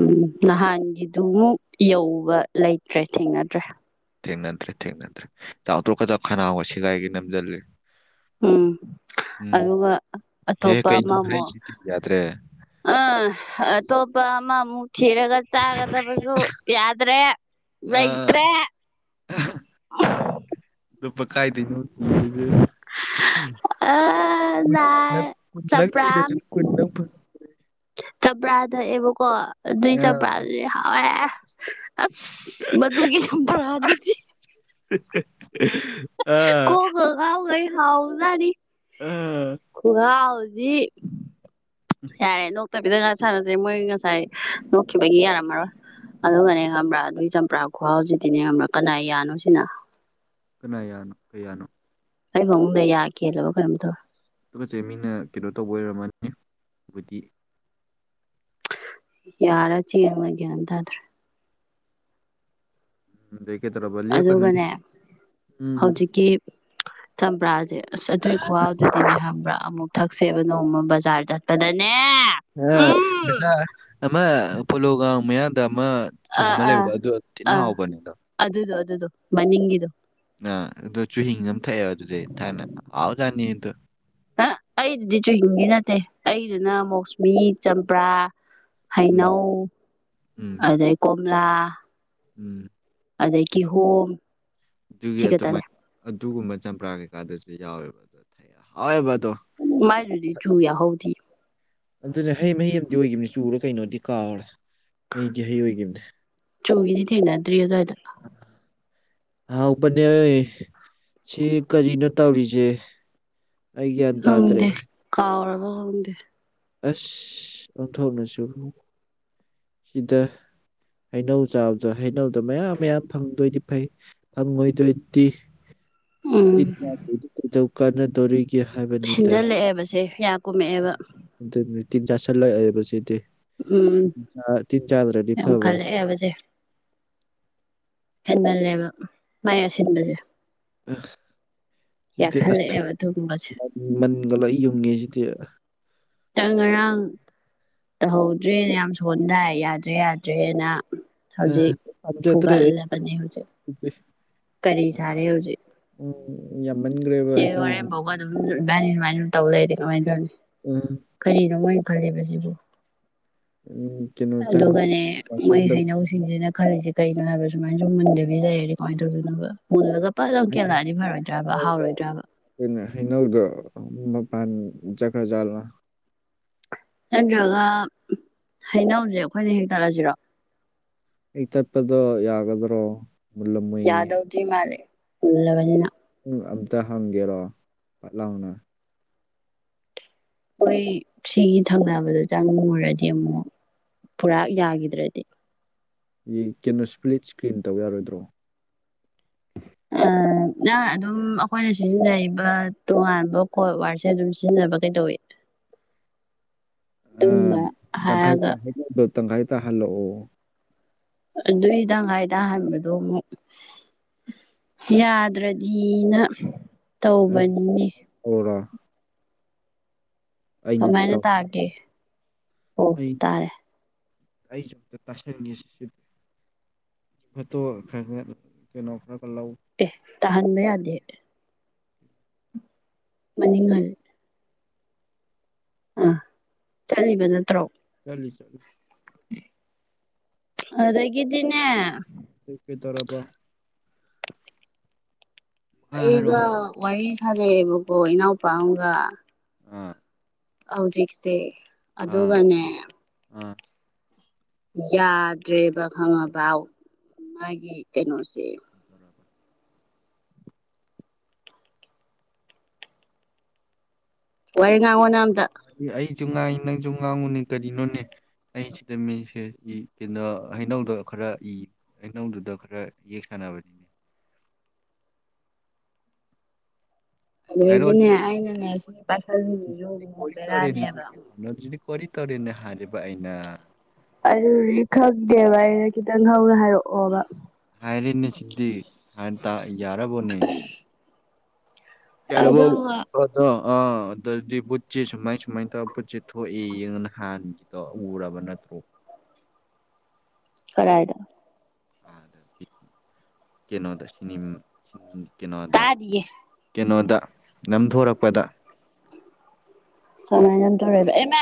ꯎꯝ ꯅꯍꯥꯟꯒꯤꯗꯨꯃꯨꯛ ꯌꯧꯕ ꯂꯩꯇ꯭ꯔꯦ ꯊꯦꯡꯅꯗ꯭ꯔꯦ ꯊꯦꯡꯅꯗ꯭ꯔꯦ ꯊꯦꯡꯅꯗ꯭ꯔꯦ ꯆꯥꯎꯇ꯭ꯔꯣꯛꯀꯗ ꯈꯅꯥꯎ ꯁꯦꯒꯥꯏꯒꯤ ꯅꯝꯁꯤꯜꯂꯤ ꯎꯝ ꯑꯗꯨꯒ ꯍꯦ ꯑꯇꯣꯞꯄ ꯀꯩꯅꯣ ꯑꯃꯃꯨꯛ ꯍꯥꯏꯁꯤꯗꯤ ꯌꯥꯗ꯭ꯔꯦ ꯑ ꯑꯇꯣꯞꯄ ꯑꯃꯃꯨꯛ ꯊꯤꯔꯒ ꯆꯥꯒꯗꯕꯁꯨ ꯌꯥꯗ꯭ꯔꯦ ꯑ ꯂꯩꯇ꯭ꯔꯦ [unintelligible] ꯑꯥ ꯅꯥ ꯆꯝꯄ꯭ꯔꯥ [unintelligible] ꯆꯝꯄ꯭ꯔꯥ ꯊꯛꯑꯦꯕꯀꯣ ꯑꯗꯨꯏ ꯍꯥ ꯆꯝꯄ꯭ꯔꯥ ꯑꯗꯨꯗꯤ ꯍꯥꯎꯑꯦ ꯑꯁ ꯃꯗꯨꯨꯒꯤ ꯆꯝꯄ꯭ꯔꯥ ꯗꯨꯗꯤ ꯑꯥ ꯍꯥꯎꯖꯅꯤ ꯑꯥ ꯈꯨꯍꯥꯎꯗꯤ ꯌꯥꯔꯦꯅꯨ ꯐꯠꯇꯕꯤꯗ ꯉꯥꯏ ꯁꯥꯥꯟꯅꯁꯦ ꯃꯣꯏ ꯉꯁꯥꯏ ꯅꯣꯛꯈꯤꯕꯒꯤ ꯌꯥꯔꯝꯃꯔꯣꯏ ꯑꯗꯨꯒꯅꯦ ꯈꯪꯕ꯭ꯔꯥ ꯑꯗꯨꯒꯤ ꯆꯝꯄ꯭ꯔꯥ ꯈꯨꯍꯥꯎꯖꯤꯗꯤꯅꯦ ꯈꯪꯕ꯭ꯔꯥ ꯀꯅꯥꯏ ꯌꯥꯅꯣ ꯁꯤꯅ ꯀꯅꯥꯌꯥꯅꯣ ꯀꯌꯥꯅꯣ ꯑꯩ ꯐꯃꯨꯡꯗ ꯌꯥ ꯀꯦꯜꯂꯕ ꯀꯩꯅꯣꯝ ꯇꯧꯔꯦ ꯊꯨꯒꯠꯆꯩ ꯃꯤꯅ ꯀꯩꯅꯣ ꯇꯎꯕ ꯑꯣꯏꯔꯝꯃꯗꯤ ꯌꯥꯔꯥ ꯆꯦꯔꯥ ꯒꯌꯥꯟ ꯑꯝ ꯇꯥꯗꯔꯦ [inaudible] ꯂꯦꯞꯀꯅꯨꯅꯦ ꯑꯗꯨꯒꯅꯦ ꯎꯝ ꯍꯧꯖꯤꯛꯀꯤ ꯆꯝꯄ꯭ꯔꯥꯁꯦ ꯑꯁ ꯑꯗꯨꯏ ꯈꯨꯍꯥꯎꯗꯨꯗꯤꯅꯦ ꯍꯥꯏꯕ꯭ꯔꯥ ꯑꯃꯨꯛ ꯊꯛ ꯁꯦꯕ ꯅꯣꯡꯃ ꯕꯖꯥꯔ ꯆꯠꯄꯗꯅꯦ ꯎꯝ ꯑꯃ ꯄꯣꯂꯣ ꯒ꯭ꯔꯣꯡ ꯃꯥꯌꯥꯗ ꯑꯃ ꯁꯨꯝ ꯑꯥ ꯑꯃ ꯑꯥ ꯂꯩꯕꯗꯣ ꯑꯗꯨ ꯌꯥꯝ ꯊꯤꯅ ꯑꯥ ꯍꯥꯎꯕꯅꯦ ꯑꯗꯣ ꯑꯗꯨꯗꯣ ꯑꯗꯨꯗꯣ ꯃꯅꯤꯡꯒꯤꯗꯣ ꯑꯥ ꯑꯗꯨꯣ ꯆꯨꯍꯤꯡ ꯑꯃ ꯊꯛꯑꯦꯕ ꯑꯗꯨꯗꯤ ꯊꯥꯏꯅ ꯍꯥꯎꯖꯅꯤꯗꯣ ꯍꯥ ꯑꯩꯗ ꯆꯨꯍꯤꯡꯒꯤ ꯅꯠꯇꯦ ꯑꯩꯗꯨꯅ ꯃꯧꯁꯃꯤ ꯆꯝꯄ꯭ꯔꯥ ꯎꯝ ꯍꯩꯅꯧ ꯎꯝ ꯑꯗꯩ ꯀꯣꯝꯂꯥ ꯎꯝ ꯑꯗꯩꯒꯤ ꯀꯤꯍꯣꯝ ꯁꯤ ꯈꯠꯇꯅꯦ ꯑꯗꯨꯨꯒꯨꯝꯕ ꯆꯝꯄ꯭ꯔꯥ ꯀꯩꯀꯥꯗꯨꯁꯨ ꯌꯥꯎꯋꯦꯕ [unintelligible] ꯃꯥꯏꯗꯨꯗꯤ ꯆꯨ ꯌꯥꯍꯎꯗꯦ ꯑꯗꯨꯅꯦ ꯍꯩ ꯃꯍꯩ ꯑꯃꯗꯤ ꯑꯣꯏꯈꯤꯕꯅꯤ ꯆꯨꯔ ꯀꯩꯅꯣꯗꯤ ꯀꯥꯎꯔꯦ ꯍꯩꯗꯤ ꯍꯩ ꯑꯣꯏꯈꯤꯕꯅꯦ ꯆꯨꯒꯤꯗꯤꯠꯊꯦꯡꯅ ꯑꯗꯨꯋꯥꯏꯗ ꯍꯥꯎꯕꯅꯦ ꯁꯤ ꯀꯔꯤꯅꯣ ꯇꯧꯔꯤꯁꯦ ꯑꯩ ꯒ꯭ꯌꯥꯟ ꯇꯥꯗ꯭ꯔꯦ ꯈꯪꯡꯗꯦ ꯀꯥꯎꯔꯕ ꯈꯪꯡꯗꯦ ꯑꯁ ꯑꯣꯟꯊꯣꯛꯅꯁꯨ ꯁꯤꯗ ꯍꯩꯅꯧ ꯆꯥꯕꯗꯣ ꯍꯩꯅꯧꯗꯣ ꯃꯌꯥꯝ ꯃꯌꯥꯝ ꯐꯪꯗꯣꯏꯗꯤ ꯐꯩ ꯐꯪꯉꯣꯏꯗꯣꯏꯗꯤ ꯎꯝ [unintelligible] ꯀꯥꯟꯅꯗꯧꯔꯤꯒꯦ ꯀꯦ ꯍꯥꯏꯕꯅꯤꯗ ꯁꯤꯟꯖꯜꯂꯛꯑꯦꯕꯁꯦ ꯌꯥ ꯀꯨꯝꯃꯛꯑꯦꯕ ꯑꯗꯨ ꯇꯤꯟ ꯆꯥꯁꯤꯜꯂꯛꯑꯦꯕꯁꯤꯗꯤ ꯎꯝ ꯆ ꯇꯤꯟ ꯆꯥꯗ꯭ꯔꯗꯤ ꯌꯥꯝ ꯐꯕ ꯈꯜꯂꯛꯑꯦꯕꯁꯦ ꯈꯟꯃꯜꯂꯦꯕ ꯃꯥꯏ ꯑꯁꯤꯟꯕꯁꯦ [unintelligible] ꯌꯥꯛꯁꯜꯂꯛꯑꯦꯕ ꯑꯗꯨꯒꯨꯝꯕꯁꯦ [unintelligible] ꯒ ꯂꯣꯏ ꯌꯨꯡꯑꯦ ꯁꯤꯗꯤ ꯅꯪ ꯉꯔꯥꯡ ꯇꯧꯍꯧꯗ꯭ꯔꯦꯅ ꯌꯥꯝ ꯁꯣꯟꯗꯥꯏ ꯌꯥꯗ꯭ꯔꯦ ꯌꯥꯗ꯭ꯔꯦꯅ ꯑ ꯍꯧꯖꯤꯛ ꯄꯥꯝꯖꯗ꯭ꯔꯦ ꯑꯩ ꯐꯨꯒꯠꯂꯕꯅꯦ ꯍꯧꯖꯤꯛ ꯁꯤꯗꯤ ꯀꯔꯤ ꯁꯔꯦ ꯍꯧꯖꯤꯛ ꯎꯝ ꯌꯥꯝꯃꯟꯈ꯭ꯔꯦꯕ ꯁꯤ ꯍꯩꯅꯧꯁꯦ ꯋꯥꯔꯦꯝ ꯐꯧꯕ ꯑꯗꯨꯝ ꯏꯕꯅꯤ ꯑꯗꯨꯃꯥꯏꯅ ꯑꯗꯨ ꯇꯧ ꯂꯩꯗꯤ ꯀꯃꯥꯏꯅ ꯇꯧꯅꯤ ꯎꯝ ꯀꯔꯤꯅꯣ ꯃꯣꯏꯅ ꯈꯜꯂꯤꯕꯁꯤꯕꯨ ꯎꯝ ꯀꯩꯅꯣ ꯆꯪ ꯑꯗꯨꯒꯅꯦ ꯃꯣꯏ ꯋꯥꯁꯔꯨꯝꯗ ꯍꯩꯅꯧꯁꯤꯡꯁꯤꯅ ꯈꯜꯂꯤꯁꯦ ꯀꯩꯅꯣ ꯍꯥꯏꯕ ꯁꯨꯃꯥꯏꯅ ꯁꯨꯝ ꯃꯨꯟꯗꯕꯤ ꯂꯩꯔꯦ ꯀꯃꯥꯏꯅ ꯇꯧꯗꯣꯏꯅꯣꯕ ꯃꯨꯜꯂꯒ ꯄꯠ ꯂꯥꯎ ꯑꯩꯈꯣꯏꯅ ꯀꯦꯜꯂꯛꯑꯗꯤ ꯐꯔꯣꯏꯗ꯭ꯔꯕ ꯍꯥꯎꯔꯣꯏꯗ꯭ꯔꯕ ꯍꯩꯅꯧꯗꯣ ꯃꯄꯥꯟ ꯆꯠꯈ꯭ꯔ ꯖꯥꯠꯂꯣ ꯅꯠꯇ꯭ꯔꯒ ꯍꯩꯅꯧꯁꯦ ꯑꯩꯈꯣꯏꯅ ꯍꯦꯛꯇꯠꯂꯁꯤꯔꯣ ꯍꯦꯛꯇꯠꯄꯗꯣ ꯌꯥꯒꯗ꯭ꯔꯣ ꯃꯨꯜꯂꯝꯃꯣꯏꯌꯦ ꯌꯥꯗꯧꯗꯤ ꯃꯥꯜꯂꯦ ꯃꯨꯜꯂꯕꯅꯤꯅ ꯎꯝ ꯑꯝꯇ ꯍꯪꯒꯦꯔꯣ ꯄꯠ ꯂꯥꯎꯅ ꯍꯣꯏ ꯁꯤꯒꯤ ꯊꯪꯅꯕꯗ ꯆꯪꯉꯨꯔꯗꯤ ꯑꯃꯨꯛ ꯄꯨꯔꯥ ꯌꯥꯈꯤꯗ꯭ꯔꯗꯤ ꯀꯩꯅꯣ ꯏꯁꯄ꯭ꯂꯤꯠ ꯏꯁꯀ꯭ꯔꯤꯟ ꯇꯧ ꯌꯥꯔꯣꯏꯗ꯭ꯔꯣ ꯑꯥ ꯅꯪ ꯑꯗꯨꯝ ꯑꯩꯈꯣꯏꯅ ꯁꯤꯖꯤꯟꯅꯔꯤꯕ ꯇꯣꯉꯥꯟꯕ ꯀꯣꯠ ꯋꯥꯔꯁꯦ ꯑꯗꯨꯝ ꯁꯤꯖꯤꯟꯅ ꯅꯕ ꯀꯩꯗꯧꯏ ꯑꯥ ꯇꯪꯈꯥꯏ ꯍꯥꯏꯔꯒ ꯇꯥ ꯍꯩꯅꯧꯗꯣ ꯇꯪꯈꯥꯏ ꯇꯥꯍꯜꯂꯛꯑꯣ ꯑꯗꯨꯏ ꯇꯪꯈꯥꯏ ꯇꯍꯟꯕꯗꯣ ꯑꯃꯨꯛ ꯌꯥꯗ꯭ꯔꯗꯤꯅ ꯑꯩ ꯇꯧꯕꯅꯤꯅꯦ ꯇꯧꯔꯣ ꯑꯩꯅ ꯀꯃꯥꯏꯅ ꯇꯧ ꯇꯥꯒꯦ ꯑꯣ ꯇꯥꯔꯦ [unintelligible] ꯐꯣꯏꯠꯇꯣ ꯈꯔ ꯇꯔ ꯑꯗꯨ ꯀꯩꯅꯣ ꯈꯔ ꯈꯔ ꯂꯧ ꯑꯦ ꯇꯍꯟꯕ ꯌꯥꯗꯦ ꯃꯅꯤꯡ ꯍꯟ ꯑꯥ ꯆꯠꯂꯤꯕ ꯅꯠꯇ꯭ꯔꯣ ꯆꯠꯂꯤ ꯆꯠꯂꯤ ꯑꯗꯥꯒꯤꯗꯤꯅꯦ ꯀꯩꯗꯧꯔꯕ ꯃꯈꯥ ꯑꯩꯒ ꯍꯥꯏꯔꯛꯑꯣ ꯋꯥꯔꯤ ꯁꯥꯅꯩꯑꯦꯕꯀꯣ ꯏꯅꯥꯎꯄꯥ ꯑꯃꯒ ꯑꯥ ꯍꯧꯖꯤꯛꯁꯦ ꯑꯥ ꯑꯗꯨꯒꯅꯦ ꯑꯥ ꯌꯥꯗ꯭ꯔꯦꯕ ꯈꯪꯉꯕꯥꯎ ꯃꯥꯒꯤ ꯀꯩꯅꯣꯁꯦ ꯇꯧꯔꯕ ꯋꯥꯔꯤ ꯉꯥꯡꯉꯣ ꯅꯪ ꯑꯝ ꯑꯩꯁꯨ ꯉꯥꯡꯏ ꯅꯪꯁꯨ ꯉꯥꯡꯉꯨꯅꯦ ꯀꯔꯤꯅꯣꯅꯦ ꯑꯩ ꯁꯤꯗ ꯃꯤꯁꯦꯒꯤ ꯀꯩꯅꯣ ꯍꯩꯅꯧꯗꯣ ꯈꯔ ꯏ ꯍꯩꯅꯧꯗꯨꯗ ꯈꯔ ꯌꯦꯛ ꯁꯥꯟꯅꯕꯅꯤ [inaudible] ꯍꯥꯏꯔꯛꯑꯣꯅꯦ ꯑꯗꯨꯏꯗꯤꯅꯦ ꯑꯩꯅꯅꯦ ꯁꯤꯒꯤ ꯄꯥꯏꯁꯟꯂꯤꯁꯤꯁꯨ ꯁꯤꯗꯤ ꯑꯃꯨꯨꯛ ꯀꯣꯔꯤ ꯇꯧꯔꯦꯅꯦ ꯁꯤ ꯕꯦꯔꯥꯅꯦꯕ ꯀꯩꯅꯣꯗꯨꯗꯤ ꯀꯣꯔꯤ ꯇꯧꯔꯦꯅꯦ ꯍꯥꯏꯔꯤꯕ ꯑꯩꯅ ꯑꯗꯨ ꯂꯤꯈꯪꯗꯦꯕ ꯑꯩꯅ ꯈꯤꯇꯪ ꯍꯧꯅ ꯍꯥꯏꯔꯛꯑꯣꯕ ꯍꯥꯏꯔꯤꯅꯦ ꯁꯤꯗꯤ [unintelligible] ꯌꯥꯔꯕꯣꯅꯦ ꯌꯔꯕꯣ ꯑꯗꯨꯒ ꯄꯣꯠꯇꯣ ꯑꯥ ꯑꯗꯨꯗꯤ ꯕꯨꯠꯁꯦ ꯁꯨꯃꯥꯏ ꯁꯨꯃꯥꯏꯅ ꯇꯧꯔ ꯕꯨꯠꯁꯦ ꯊꯣꯛꯏ ꯌꯦꯡꯉꯅꯍꯥꯟꯒꯤꯗꯣ ꯎꯔꯕ ꯅꯠꯇ꯭ꯔꯣ [inaudible] ꯀꯔꯥꯏꯗ ꯀꯩꯅꯣꯗ ꯅꯤꯝ ꯀꯩꯅꯣꯗ ꯇꯥꯗꯤꯌꯦ ꯀꯩꯅꯣꯗ ꯅꯝꯊꯣꯔꯛꯄꯗ ꯀꯃꯥꯏꯅ ꯅꯝꯊꯣꯔꯛꯏꯕꯥ ꯑꯩꯃꯥ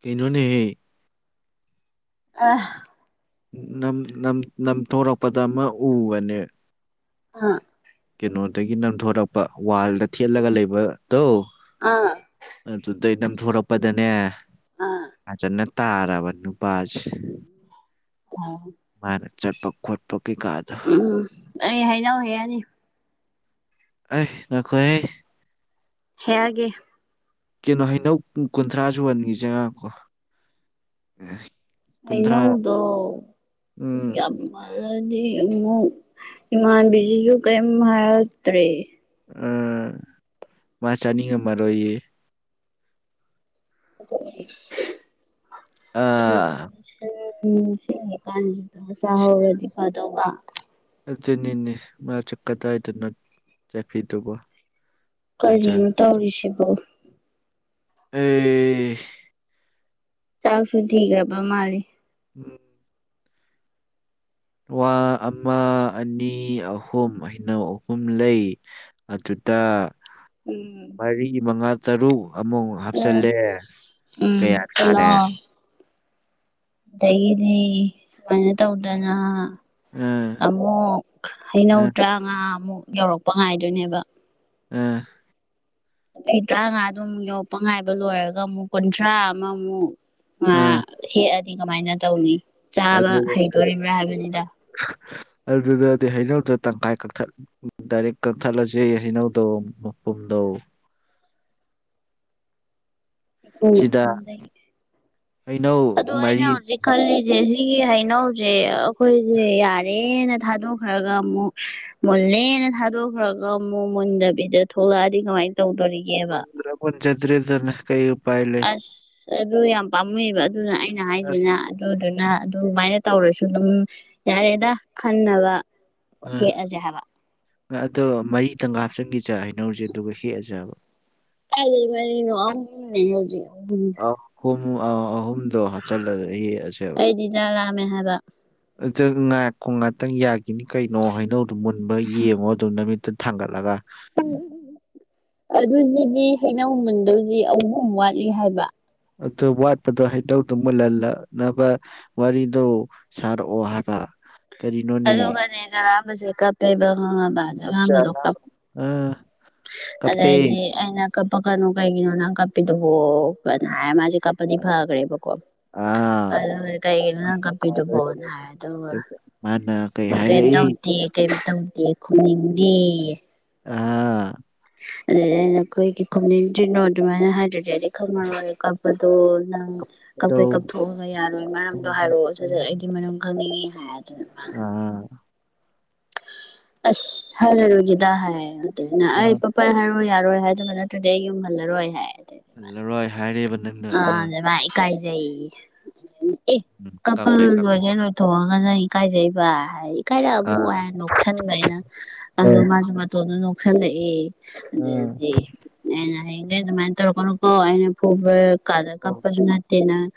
ꯀꯩꯅꯣꯅꯥꯍꯦ ꯑꯥ ꯅꯝ ꯅꯝ ꯅꯝꯊꯣꯔꯛꯄꯗ ꯑꯃ ꯎꯕꯅꯦ ꯑꯥ ꯀꯩꯅꯣꯗꯒꯤ ꯅꯝꯊꯣꯔꯛꯄ ꯋꯥꯜꯗ ꯊꯦꯠꯂꯒ ꯂꯩꯕꯗꯣ ꯑꯗꯨ ꯑꯥ ꯑꯗꯨꯗꯩ ꯅꯝꯊꯣꯔꯛꯄꯗꯅꯦ ꯑꯥ ꯐꯖꯟꯅ ꯇꯥꯔꯕ ꯅꯨꯄꯥꯁꯦ ꯑ ꯃꯥꯅ ꯆꯠꯄꯛ ꯈꯣꯠꯄ ꯀꯩꯀꯥꯗꯣ ꯎꯝ ꯑꯩ ꯍꯩꯅꯧ ꯍꯦꯛꯑꯅꯤ ꯑꯩ ꯉꯥꯏꯈꯣꯍꯩ ꯍꯦꯛ ꯑꯒꯦ ꯀꯦꯅꯣ ꯍꯩꯅꯧ ꯀꯨꯟꯊ꯭ꯔꯥ ꯁꯨꯨꯍꯟꯒꯤꯁꯦ ꯉꯥꯈꯣ ꯍꯩꯅꯧꯗꯣ ꯎꯝ ꯌꯥꯝ ꯑꯗꯨꯗꯤ ꯑꯃꯨꯛ ꯏꯃꯥꯟꯕꯤꯁꯤꯁꯨ ꯀꯔꯤꯝ ꯍꯥꯏꯔꯛꯇ꯭ꯔꯦ ꯃꯥ ꯆꯥꯅꯤꯡꯉꯝꯃꯔꯣꯏꯌꯦ [inaudible] ꯑꯥ ꯎꯝ ꯁꯤꯟꯗꯔ꯭ꯤꯀꯥꯟꯁꯤꯗ ꯆꯥꯍꯧꯔꯗꯤ ꯐꯥꯗꯧꯕ ꯑꯗꯨꯅꯤꯅꯦ ꯃꯁꯨ ꯀꯗꯥꯏꯗꯅꯣ ꯆꯠꯈꯔ꯭ꯤꯗꯨꯕꯣ ꯀꯔꯤꯅꯣ ꯇꯧꯔꯤꯁꯤꯕꯣ ꯑꯦ ꯆꯥꯛꯁꯨ ꯊꯤꯈꯔꯥꯕ ꯃꯥꯜꯂꯤ ꯎꯝ ꯋꯥ ꯑꯃ ꯑꯅꯤ ꯑꯍꯨꯝ ꯍꯩꯅꯧ ꯑꯍꯨꯝ ꯂꯩ ꯑꯗꯨ ꯗ ꯎꯝ ꯃꯔꯤ ꯃꯉꯥ ꯇꯔꯨꯛ ꯑꯃꯨꯛ ꯍꯥꯞꯆꯜꯂꯦ ꯀꯌꯥ ꯇꯥꯔꯦ ꯀꯅꯣ ꯑꯗꯒꯤꯗꯤ ꯁꯨꯃꯥꯏꯅ ꯇꯧꯗꯅ ꯑꯥ ꯑꯃꯨꯛ ꯍꯩꯅꯧ ꯑꯥ ꯇꯔꯥꯉꯥ ꯑꯃꯨꯛ ꯌꯧꯔꯛꯄ ꯉꯥꯏꯗꯣꯏꯅꯦꯕ ꯑꯥ ꯑꯩ ꯇꯔꯥꯉꯥ ꯗꯨ ꯑꯃꯨꯛ ꯌꯧꯔꯛꯄ ꯉꯥꯏꯕ ꯂꯣꯏꯔꯒ ꯑꯃꯨꯛ ꯀꯨꯟꯊ꯭ꯔꯥ ꯑꯃꯃꯨꯛ ꯑꯥ ꯍꯦꯛꯑꯗꯤ ꯀꯃꯥꯏꯅ ꯇꯧꯅꯤ ꯆꯥꯕ ꯑꯗꯨꯗꯗꯤ ꯍꯩꯗꯣꯔꯤꯕ꯭ꯔꯥ ꯍꯥꯏꯕꯅꯤꯗ ꯑꯗꯨꯗꯗꯤ ꯍꯩꯅꯧꯗꯣ ꯇꯪꯈꯥꯏ ꯀꯛꯊꯠ ꯗꯥꯏꯔꯦꯛ ꯀꯛꯊꯠꯂꯁꯦ ꯍꯩꯅꯧꯗꯣ ꯄꯨꯟꯗꯣ ꯎ ꯁꯤꯗ ꯍꯩꯅꯧ ꯑꯗꯣ ꯑꯩꯅ ꯃꯔꯤ ꯍꯧꯖꯤ ꯀꯜꯂꯤꯁꯦ ꯁꯤꯒꯤ ꯍꯩꯅꯧꯁꯦ ꯑꯩꯈꯣꯏꯁꯦ ꯌꯥꯔꯦꯅ ꯊꯥꯗꯣꯛꯈ꯭ꯔꯒ ꯑꯃꯨꯛ ꯃꯨꯜꯂꯦꯅ ꯊꯥꯗꯣꯛꯈ꯭ꯔꯒ ꯑꯃꯨꯛ ꯃꯨꯟꯗꯕꯤꯗ ꯊꯣꯛꯂꯛꯑꯗꯤ ꯀꯃꯥꯏꯅ ꯇꯧꯗꯣꯔꯤꯒꯦꯕ ꯃꯨꯟꯂꯥ ꯃꯨꯟꯖꯗ꯭ꯔꯦꯗꯅ ꯀꯩ ꯎꯄꯥꯏ ꯂꯩ ꯑꯁ ꯑꯗꯨ ꯌꯥꯝ ꯄꯥꯝꯃꯨꯕ ꯑꯗꯨꯅ ꯑꯩꯅ ꯑ ꯍꯥꯏꯁꯤꯅ ꯑꯗꯨꯗꯨꯅ ꯑꯗꯨꯃꯥꯏꯅ ꯇꯧꯔꯁꯨ ꯑꯗꯨꯝ ꯌꯥꯔꯦꯗ ꯈꯟꯅꯕ ꯍꯦꯛꯑꯁꯦ ꯍꯥꯏꯕ ꯎꯝ ꯑꯗꯣ ꯃꯔꯤ ꯇꯪꯒ ꯍꯥꯞꯆꯤꯟꯈꯤꯖ ꯍꯩꯅꯧꯁꯦ ꯑꯗꯨꯒ ꯍꯦꯛ ꯑꯖꯦ ꯍꯥꯢꯕ ꯀꯥꯏꯗꯩ ꯃꯔꯤꯅꯣ ꯑꯍꯨꯝꯅꯦ ꯍꯧꯖꯥꯛ ꯄꯨꯡ ꯑꯍꯨꯝꯗꯣ ꯍꯥꯞꯆꯤꯂꯒ ꯍꯦꯛꯑꯁꯦꯕ ꯑꯩꯗꯤ ꯆꯥꯛ ꯂꯥꯝꯃꯦ ꯍꯥꯏꯕ ꯑꯗꯨ ꯉꯥꯏꯀꯣ ꯉꯥꯛꯇꯪ ꯌꯥꯈꯤꯅꯤ ꯀꯩꯅꯣ ꯍꯩꯏꯅꯧꯗꯣ ꯃꯨꯟꯕ ꯌꯦꯡꯉꯣ ꯑꯗꯨ ꯅꯨꯃꯤꯠꯇ ꯊꯥꯡꯒꯠꯂꯒ [inaudible] ꯑꯗꯨꯁꯤꯗꯤ ꯍꯩꯅꯧꯃꯟꯗꯣꯢꯖꯤ ꯑꯍꯨꯝ ꯋꯥꯠꯂꯤ ꯍꯥꯏꯕ ꯑꯗꯨ ꯋꯥꯠꯄꯗꯣ ꯍꯩꯅꯩꯗꯣ ꯃꯨꯜꯍꯟꯅꯕ ꯋꯥꯔꯤꯗꯣ ꯁꯥꯔꯛꯑꯣ ꯍꯥꯏꯕ ꯀꯔꯤꯅꯣꯅꯦ ꯑꯗꯨꯒꯅꯦ ꯆꯥꯂꯝꯕꯁꯦ ꯀꯞꯄꯦꯕ ꯈꯪꯑꯕ ꯑꯆꯥ, ꯆꯥꯂꯝꯕꯗꯣ ꯀꯞ ꯑꯥ ꯀꯞꯄꯦ ꯑꯗꯩꯗꯤ ꯑꯩꯅ ꯀꯞꯄꯛꯀꯥꯅꯨ ꯀꯩꯒꯤꯅꯣ ꯅꯪ ꯀꯞꯄꯤꯗꯨꯕꯣ ꯀꯥ ꯍꯥꯏ ꯃꯥꯁꯤ ꯀꯥꯞꯄꯥꯗꯤ ꯐꯥꯈ꯭ꯔꯦꯕꯀꯣ ꯑꯥ ꯑꯗꯨ ꯀꯩꯒꯤꯅꯣ ꯅꯪ ꯀꯝꯄꯤꯗꯨꯕꯣꯅ ꯍꯥꯏ ꯑꯗꯨꯒ ꯃꯥꯅ ꯀꯩ ꯍꯥꯏꯔꯛꯏ ꯀꯩꯌꯝ ꯀꯩꯌꯝ ꯇꯧꯗꯦ ꯈꯨꯝꯅꯤꯡꯗꯦꯌꯦ ꯑꯥ ꯑꯗꯨꯗꯩ ꯑꯩꯅ ꯀꯩꯒꯤ ꯈꯨꯝꯅꯤꯡꯗ꯭ꯔꯤꯅꯣ ꯑꯗꯨꯃꯥꯏꯅ ꯍꯥꯏꯗꯔꯗꯤ ꯑꯩꯗꯤ ꯈꯪꯉꯥꯔꯣꯏ ꯑꯗꯣ ꯅꯪ ꯀꯞꯀꯩ ꯀꯞꯀꯗꯧ ꯀꯥꯊꯣꯛꯑꯒ ꯌꯥꯔꯣꯏ ꯃꯔꯝꯗꯣ ꯍꯥꯏꯔꯛꯑꯣ ꯁꯠ ꯁꯠ ꯑꯩꯗꯤ ꯃꯔꯝ ꯈꯪꯅꯤꯡꯏ ꯍꯥꯢꯌꯦ ꯑꯗꯨꯒ ꯃꯥꯅ ꯑꯥ ꯑꯁ ꯍꯥꯏꯔ ꯔꯣꯢꯒꯦꯗ ꯍꯥꯏ ꯑꯗꯩ ꯑꯥ ꯑꯩꯅ ꯄꯠꯄꯠ ꯍꯥꯏꯔꯛꯑꯣ ꯍꯣꯏ ꯌꯥꯔꯣꯏ ꯍꯥꯏ ꯑꯗꯨꯅ ꯅꯠꯇ꯭ꯔꯗꯤ ꯑꯩ ꯌꯨꯝꯍꯜꯂꯔꯣꯏ ꯍꯥꯏ ꯍꯜꯂꯔꯣꯏ ꯍꯥꯏꯔꯦꯕ ꯅꯪꯅ ꯑ ꯑꯥ ꯑꯗ ꯃꯥ ꯢꯀꯥꯏꯖꯏ ꯑꯦ ꯎꯝ, ꯀꯞ ꯀꯞꯄ ꯀꯩ ꯂꯣꯢꯉꯩ ꯀꯥꯞꯊꯣꯛꯎꯔ ꯂꯣꯢꯊꯣꯛ ꯑꯒꯥ ꯃꯥꯅ ꯢꯀꯥꯏꯖꯩꯕ ꯍꯥꯏ ꯏꯀꯥꯏꯔꯛꯑꯕꯣ ꯑꯥ ꯍꯥꯏꯔ ꯅꯣꯛꯁꯟꯕ ꯑꯩꯅ ꯑꯦ ꯑꯗꯨ ꯃꯥꯁꯨ ꯃꯇꯣꯟꯗ ꯅꯣꯛꯁꯜꯂꯛꯑꯦ ꯎꯝ ꯑꯗꯨꯗꯩꯗꯤ ꯑꯩꯅ ꯍꯌꯦꯡ ꯉꯩ ꯑꯗꯨꯃꯥꯏꯅ ꯇꯧꯔꯛꯀꯅꯨꯀꯣ ꯑꯩꯅ ꯐꯨꯕ ꯀꯥꯅ ꯑꯣ ꯀꯥꯞꯄꯁꯨ ꯅꯠꯇꯦꯅꯪ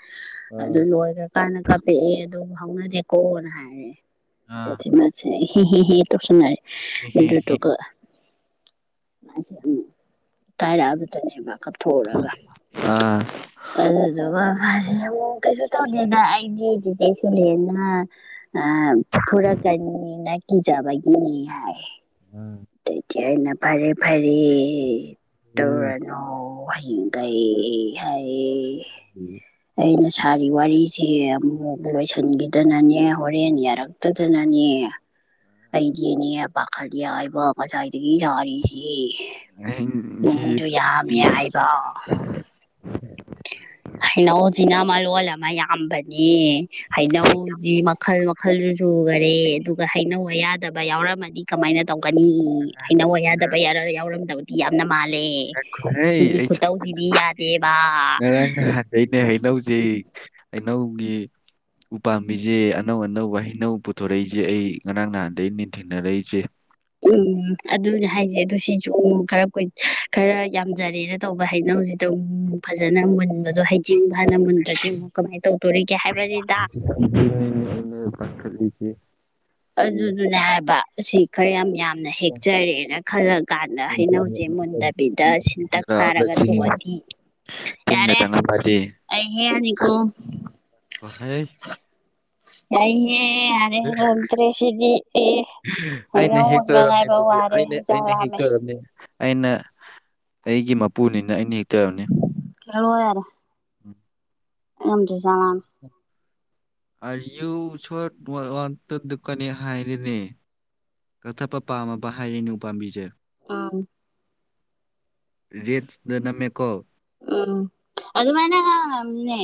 ꯑꯗꯨ ꯑꯥ ꯂꯣꯏꯈ꯭ꯔ ꯀꯥꯟꯅ ꯀꯥꯞꯄꯛꯑꯦ ꯑꯗꯨ ꯍꯧꯅꯗꯦꯀꯣꯅ ꯍꯥꯏꯔ ꯑꯥ ꯑꯗꯨꯗꯩ ꯃꯁꯦ ꯍꯤ ꯍꯤ ꯍꯤ ꯇꯧꯁꯟꯅꯔꯦ ꯍꯦ ꯍꯦ ꯑꯗꯨꯗꯨꯒ ꯃꯥꯖꯦ ꯑꯃꯨꯛ ꯢꯀꯥꯏꯔꯛ ꯑꯕꯗꯨꯅꯦꯕ ꯑꯥ ꯑꯗꯨꯗꯒ ꯃꯥꯁꯦ ꯑꯃꯨꯛ ꯀꯩꯁꯨ ꯇꯧꯗꯦꯅ ꯑꯩꯗꯤ ꯆꯤꯆꯦ ꯁꯤꯂꯦꯝꯅ ꯑ ꯐꯨꯔꯛꯀꯅꯤ ꯅ ꯀꯤꯖꯕꯒꯤꯅꯤ ꯍꯥꯏ ꯑꯗꯩꯗꯤ ꯑꯩꯅ ꯐꯔꯦ ꯐꯔꯦ ꯇꯧꯔꯅꯣ ꯍꯤꯡꯒꯩ ꯍꯥꯏꯌꯦ ꯎꯝ ꯑꯩꯅ ꯁꯥꯥꯔꯤ ꯋꯥꯔꯤꯁꯦ ꯑꯃꯨꯛ ꯂꯣꯏꯁꯤꯟꯈꯤꯗꯅꯅꯦ ꯍꯣꯔꯦꯟ ꯌꯥꯔꯛꯇꯗꯅꯅꯦ ꯑꯩꯗꯤꯅꯦ ꯄꯥꯈꯠꯂꯤ ꯍꯥꯢꯕ ꯉꯁꯥꯏꯗꯒꯤ ꯌꯥꯔꯤꯁꯦ ꯄꯨꯡꯗꯨ ꯌꯥꯝꯃꯤ ꯍꯦ ꯍꯥꯏꯕ ꯍꯩꯅꯧꯖꯤꯅ ꯃꯂꯣꯜ ꯑꯃ ꯌꯥꯝꯕꯅꯦ ꯍꯥꯏꯅꯧꯖꯤ ꯃꯈꯜ ꯃ ꯈꯜ ꯁꯨꯈꯔꯦ ꯑꯗꯨꯒ ꯍꯩꯅꯧ ꯑꯌꯥꯗꯕ ꯌꯥꯎꯔꯝꯃꯗꯤ ꯀꯃꯥꯏꯅ ꯇꯧ ꯀꯅꯤ ꯍꯩꯅꯧ ꯌꯥꯗꯕ ꯌꯥ ꯌꯥꯎꯔꯝꯗꯧꯗꯤ ꯌꯥꯝꯅ ꯃꯥꯜꯂꯦ ꯂꯦ ꯁꯤꯒꯤ ꯈꯨꯇꯧꯁꯤꯗꯤ ꯌꯥꯗꯦꯕ ꯉꯔꯥꯡ ꯅꯍꯥꯟꯗꯩꯅꯦ ꯍꯩꯅꯧꯁꯦ ꯍꯩꯅꯧꯒꯤ ꯎ ꯄꯥꯝꯃꯤꯖꯦ ꯑꯅꯧ ꯑꯅꯧꯕ ꯍꯩꯅꯧ ꯄꯨꯊꯣꯔꯛꯏꯖꯦ ꯑꯩ ꯉꯔꯥꯡ ꯅꯍꯥꯟꯗꯩ ꯅꯤ ꯊꯦꯡꯅꯔꯛꯏꯖꯦ ꯎꯝ ꯑꯗꯨꯅꯦ ꯍꯥꯏꯖꯦ ꯑꯗꯨ ꯁꯤꯖꯨ ꯈꯔ ꯀꯨꯏ ꯈꯔ ꯌꯥꯝꯖꯔꯦꯅ ꯇꯧꯕ ꯍꯩꯅꯧ ꯖꯤꯗꯧ ꯐꯖꯅ ꯃꯟꯕꯗꯣ ꯍꯩꯖꯤꯡ ꯍꯥꯅ ꯃꯨꯟꯗ꯭ꯔꯗꯤ ꯀꯃꯥꯏ ꯇꯧꯗꯣꯔꯤꯒꯦ ꯍꯥꯏꯕꯅꯤꯗ [unintelligible] ꯑꯗꯨꯗꯨꯅꯦ ꯍꯥꯏꯕ ꯑꯁꯤ ꯈꯔ ꯌꯥꯝ ꯌꯥꯝ ꯌꯥꯝꯅ ꯍꯦꯛꯆꯔꯦꯅ ꯈꯜꯂ ꯀꯥꯟꯗ ꯍꯩꯅꯧꯖꯦ ꯃꯨꯟꯗꯕꯤꯗ ꯁꯤꯟꯇꯛ ꯇꯥꯔꯒ ꯇꯣꯛꯑꯗꯤ ꯇꯤꯟꯒ ꯌꯥꯔꯦ ꯆꯪꯉꯝꯃꯗꯤ ꯑꯩ ꯍꯦꯛꯑ ꯅꯤꯀꯣ ꯌꯥꯢꯅꯦ ꯌꯥꯔꯦ ꯐꯠꯇ꯭ꯔꯦ ꯁꯤꯗꯤ ꯑꯦ ꯑꯩꯅ ꯍꯩꯅꯧ ꯃꯨꯟꯕ ꯍꯦꯛꯇꯣꯏꯔꯝꯅꯤ ꯉꯥꯏꯕ ꯑꯗꯨꯗꯤ ꯋꯥꯔꯦ ꯑꯩꯅ ꯆꯥꯛ ꯑꯩꯅ ꯂꯥꯃꯦ ꯍꯦꯛꯇꯣꯏꯔꯝꯅꯤ ꯑꯩꯅ ꯑꯩꯒꯤ ꯃꯄꯨꯅꯤꯅ ꯑꯩꯅ ꯍꯦꯛꯇꯕꯅꯤ ꯍꯦꯛꯂꯣ ꯌꯥꯔꯦ [unintelligible] ꯑꯩ ꯎꯗ꯭ꯔ ꯖꯠꯂ ꯑꯥꯔꯌꯨ ꯁꯣꯠ ꯋꯥꯟꯇꯗꯨꯀꯅꯤ ꯍꯥꯏꯔꯦꯅꯦ ꯀꯛꯊꯠꯄ ꯄꯥꯝꯃꯕ ꯍꯥꯏꯔꯦꯅꯦ ꯎ ꯄꯥꯝꯕꯤꯖꯦ ꯑꯥ ꯔꯦꯠ ꯗ ꯅꯃꯦꯀꯣ ꯎꯝ ꯑꯗꯨ ꯃꯥꯏꯅ ꯉꯥꯝꯅꯤꯅꯦ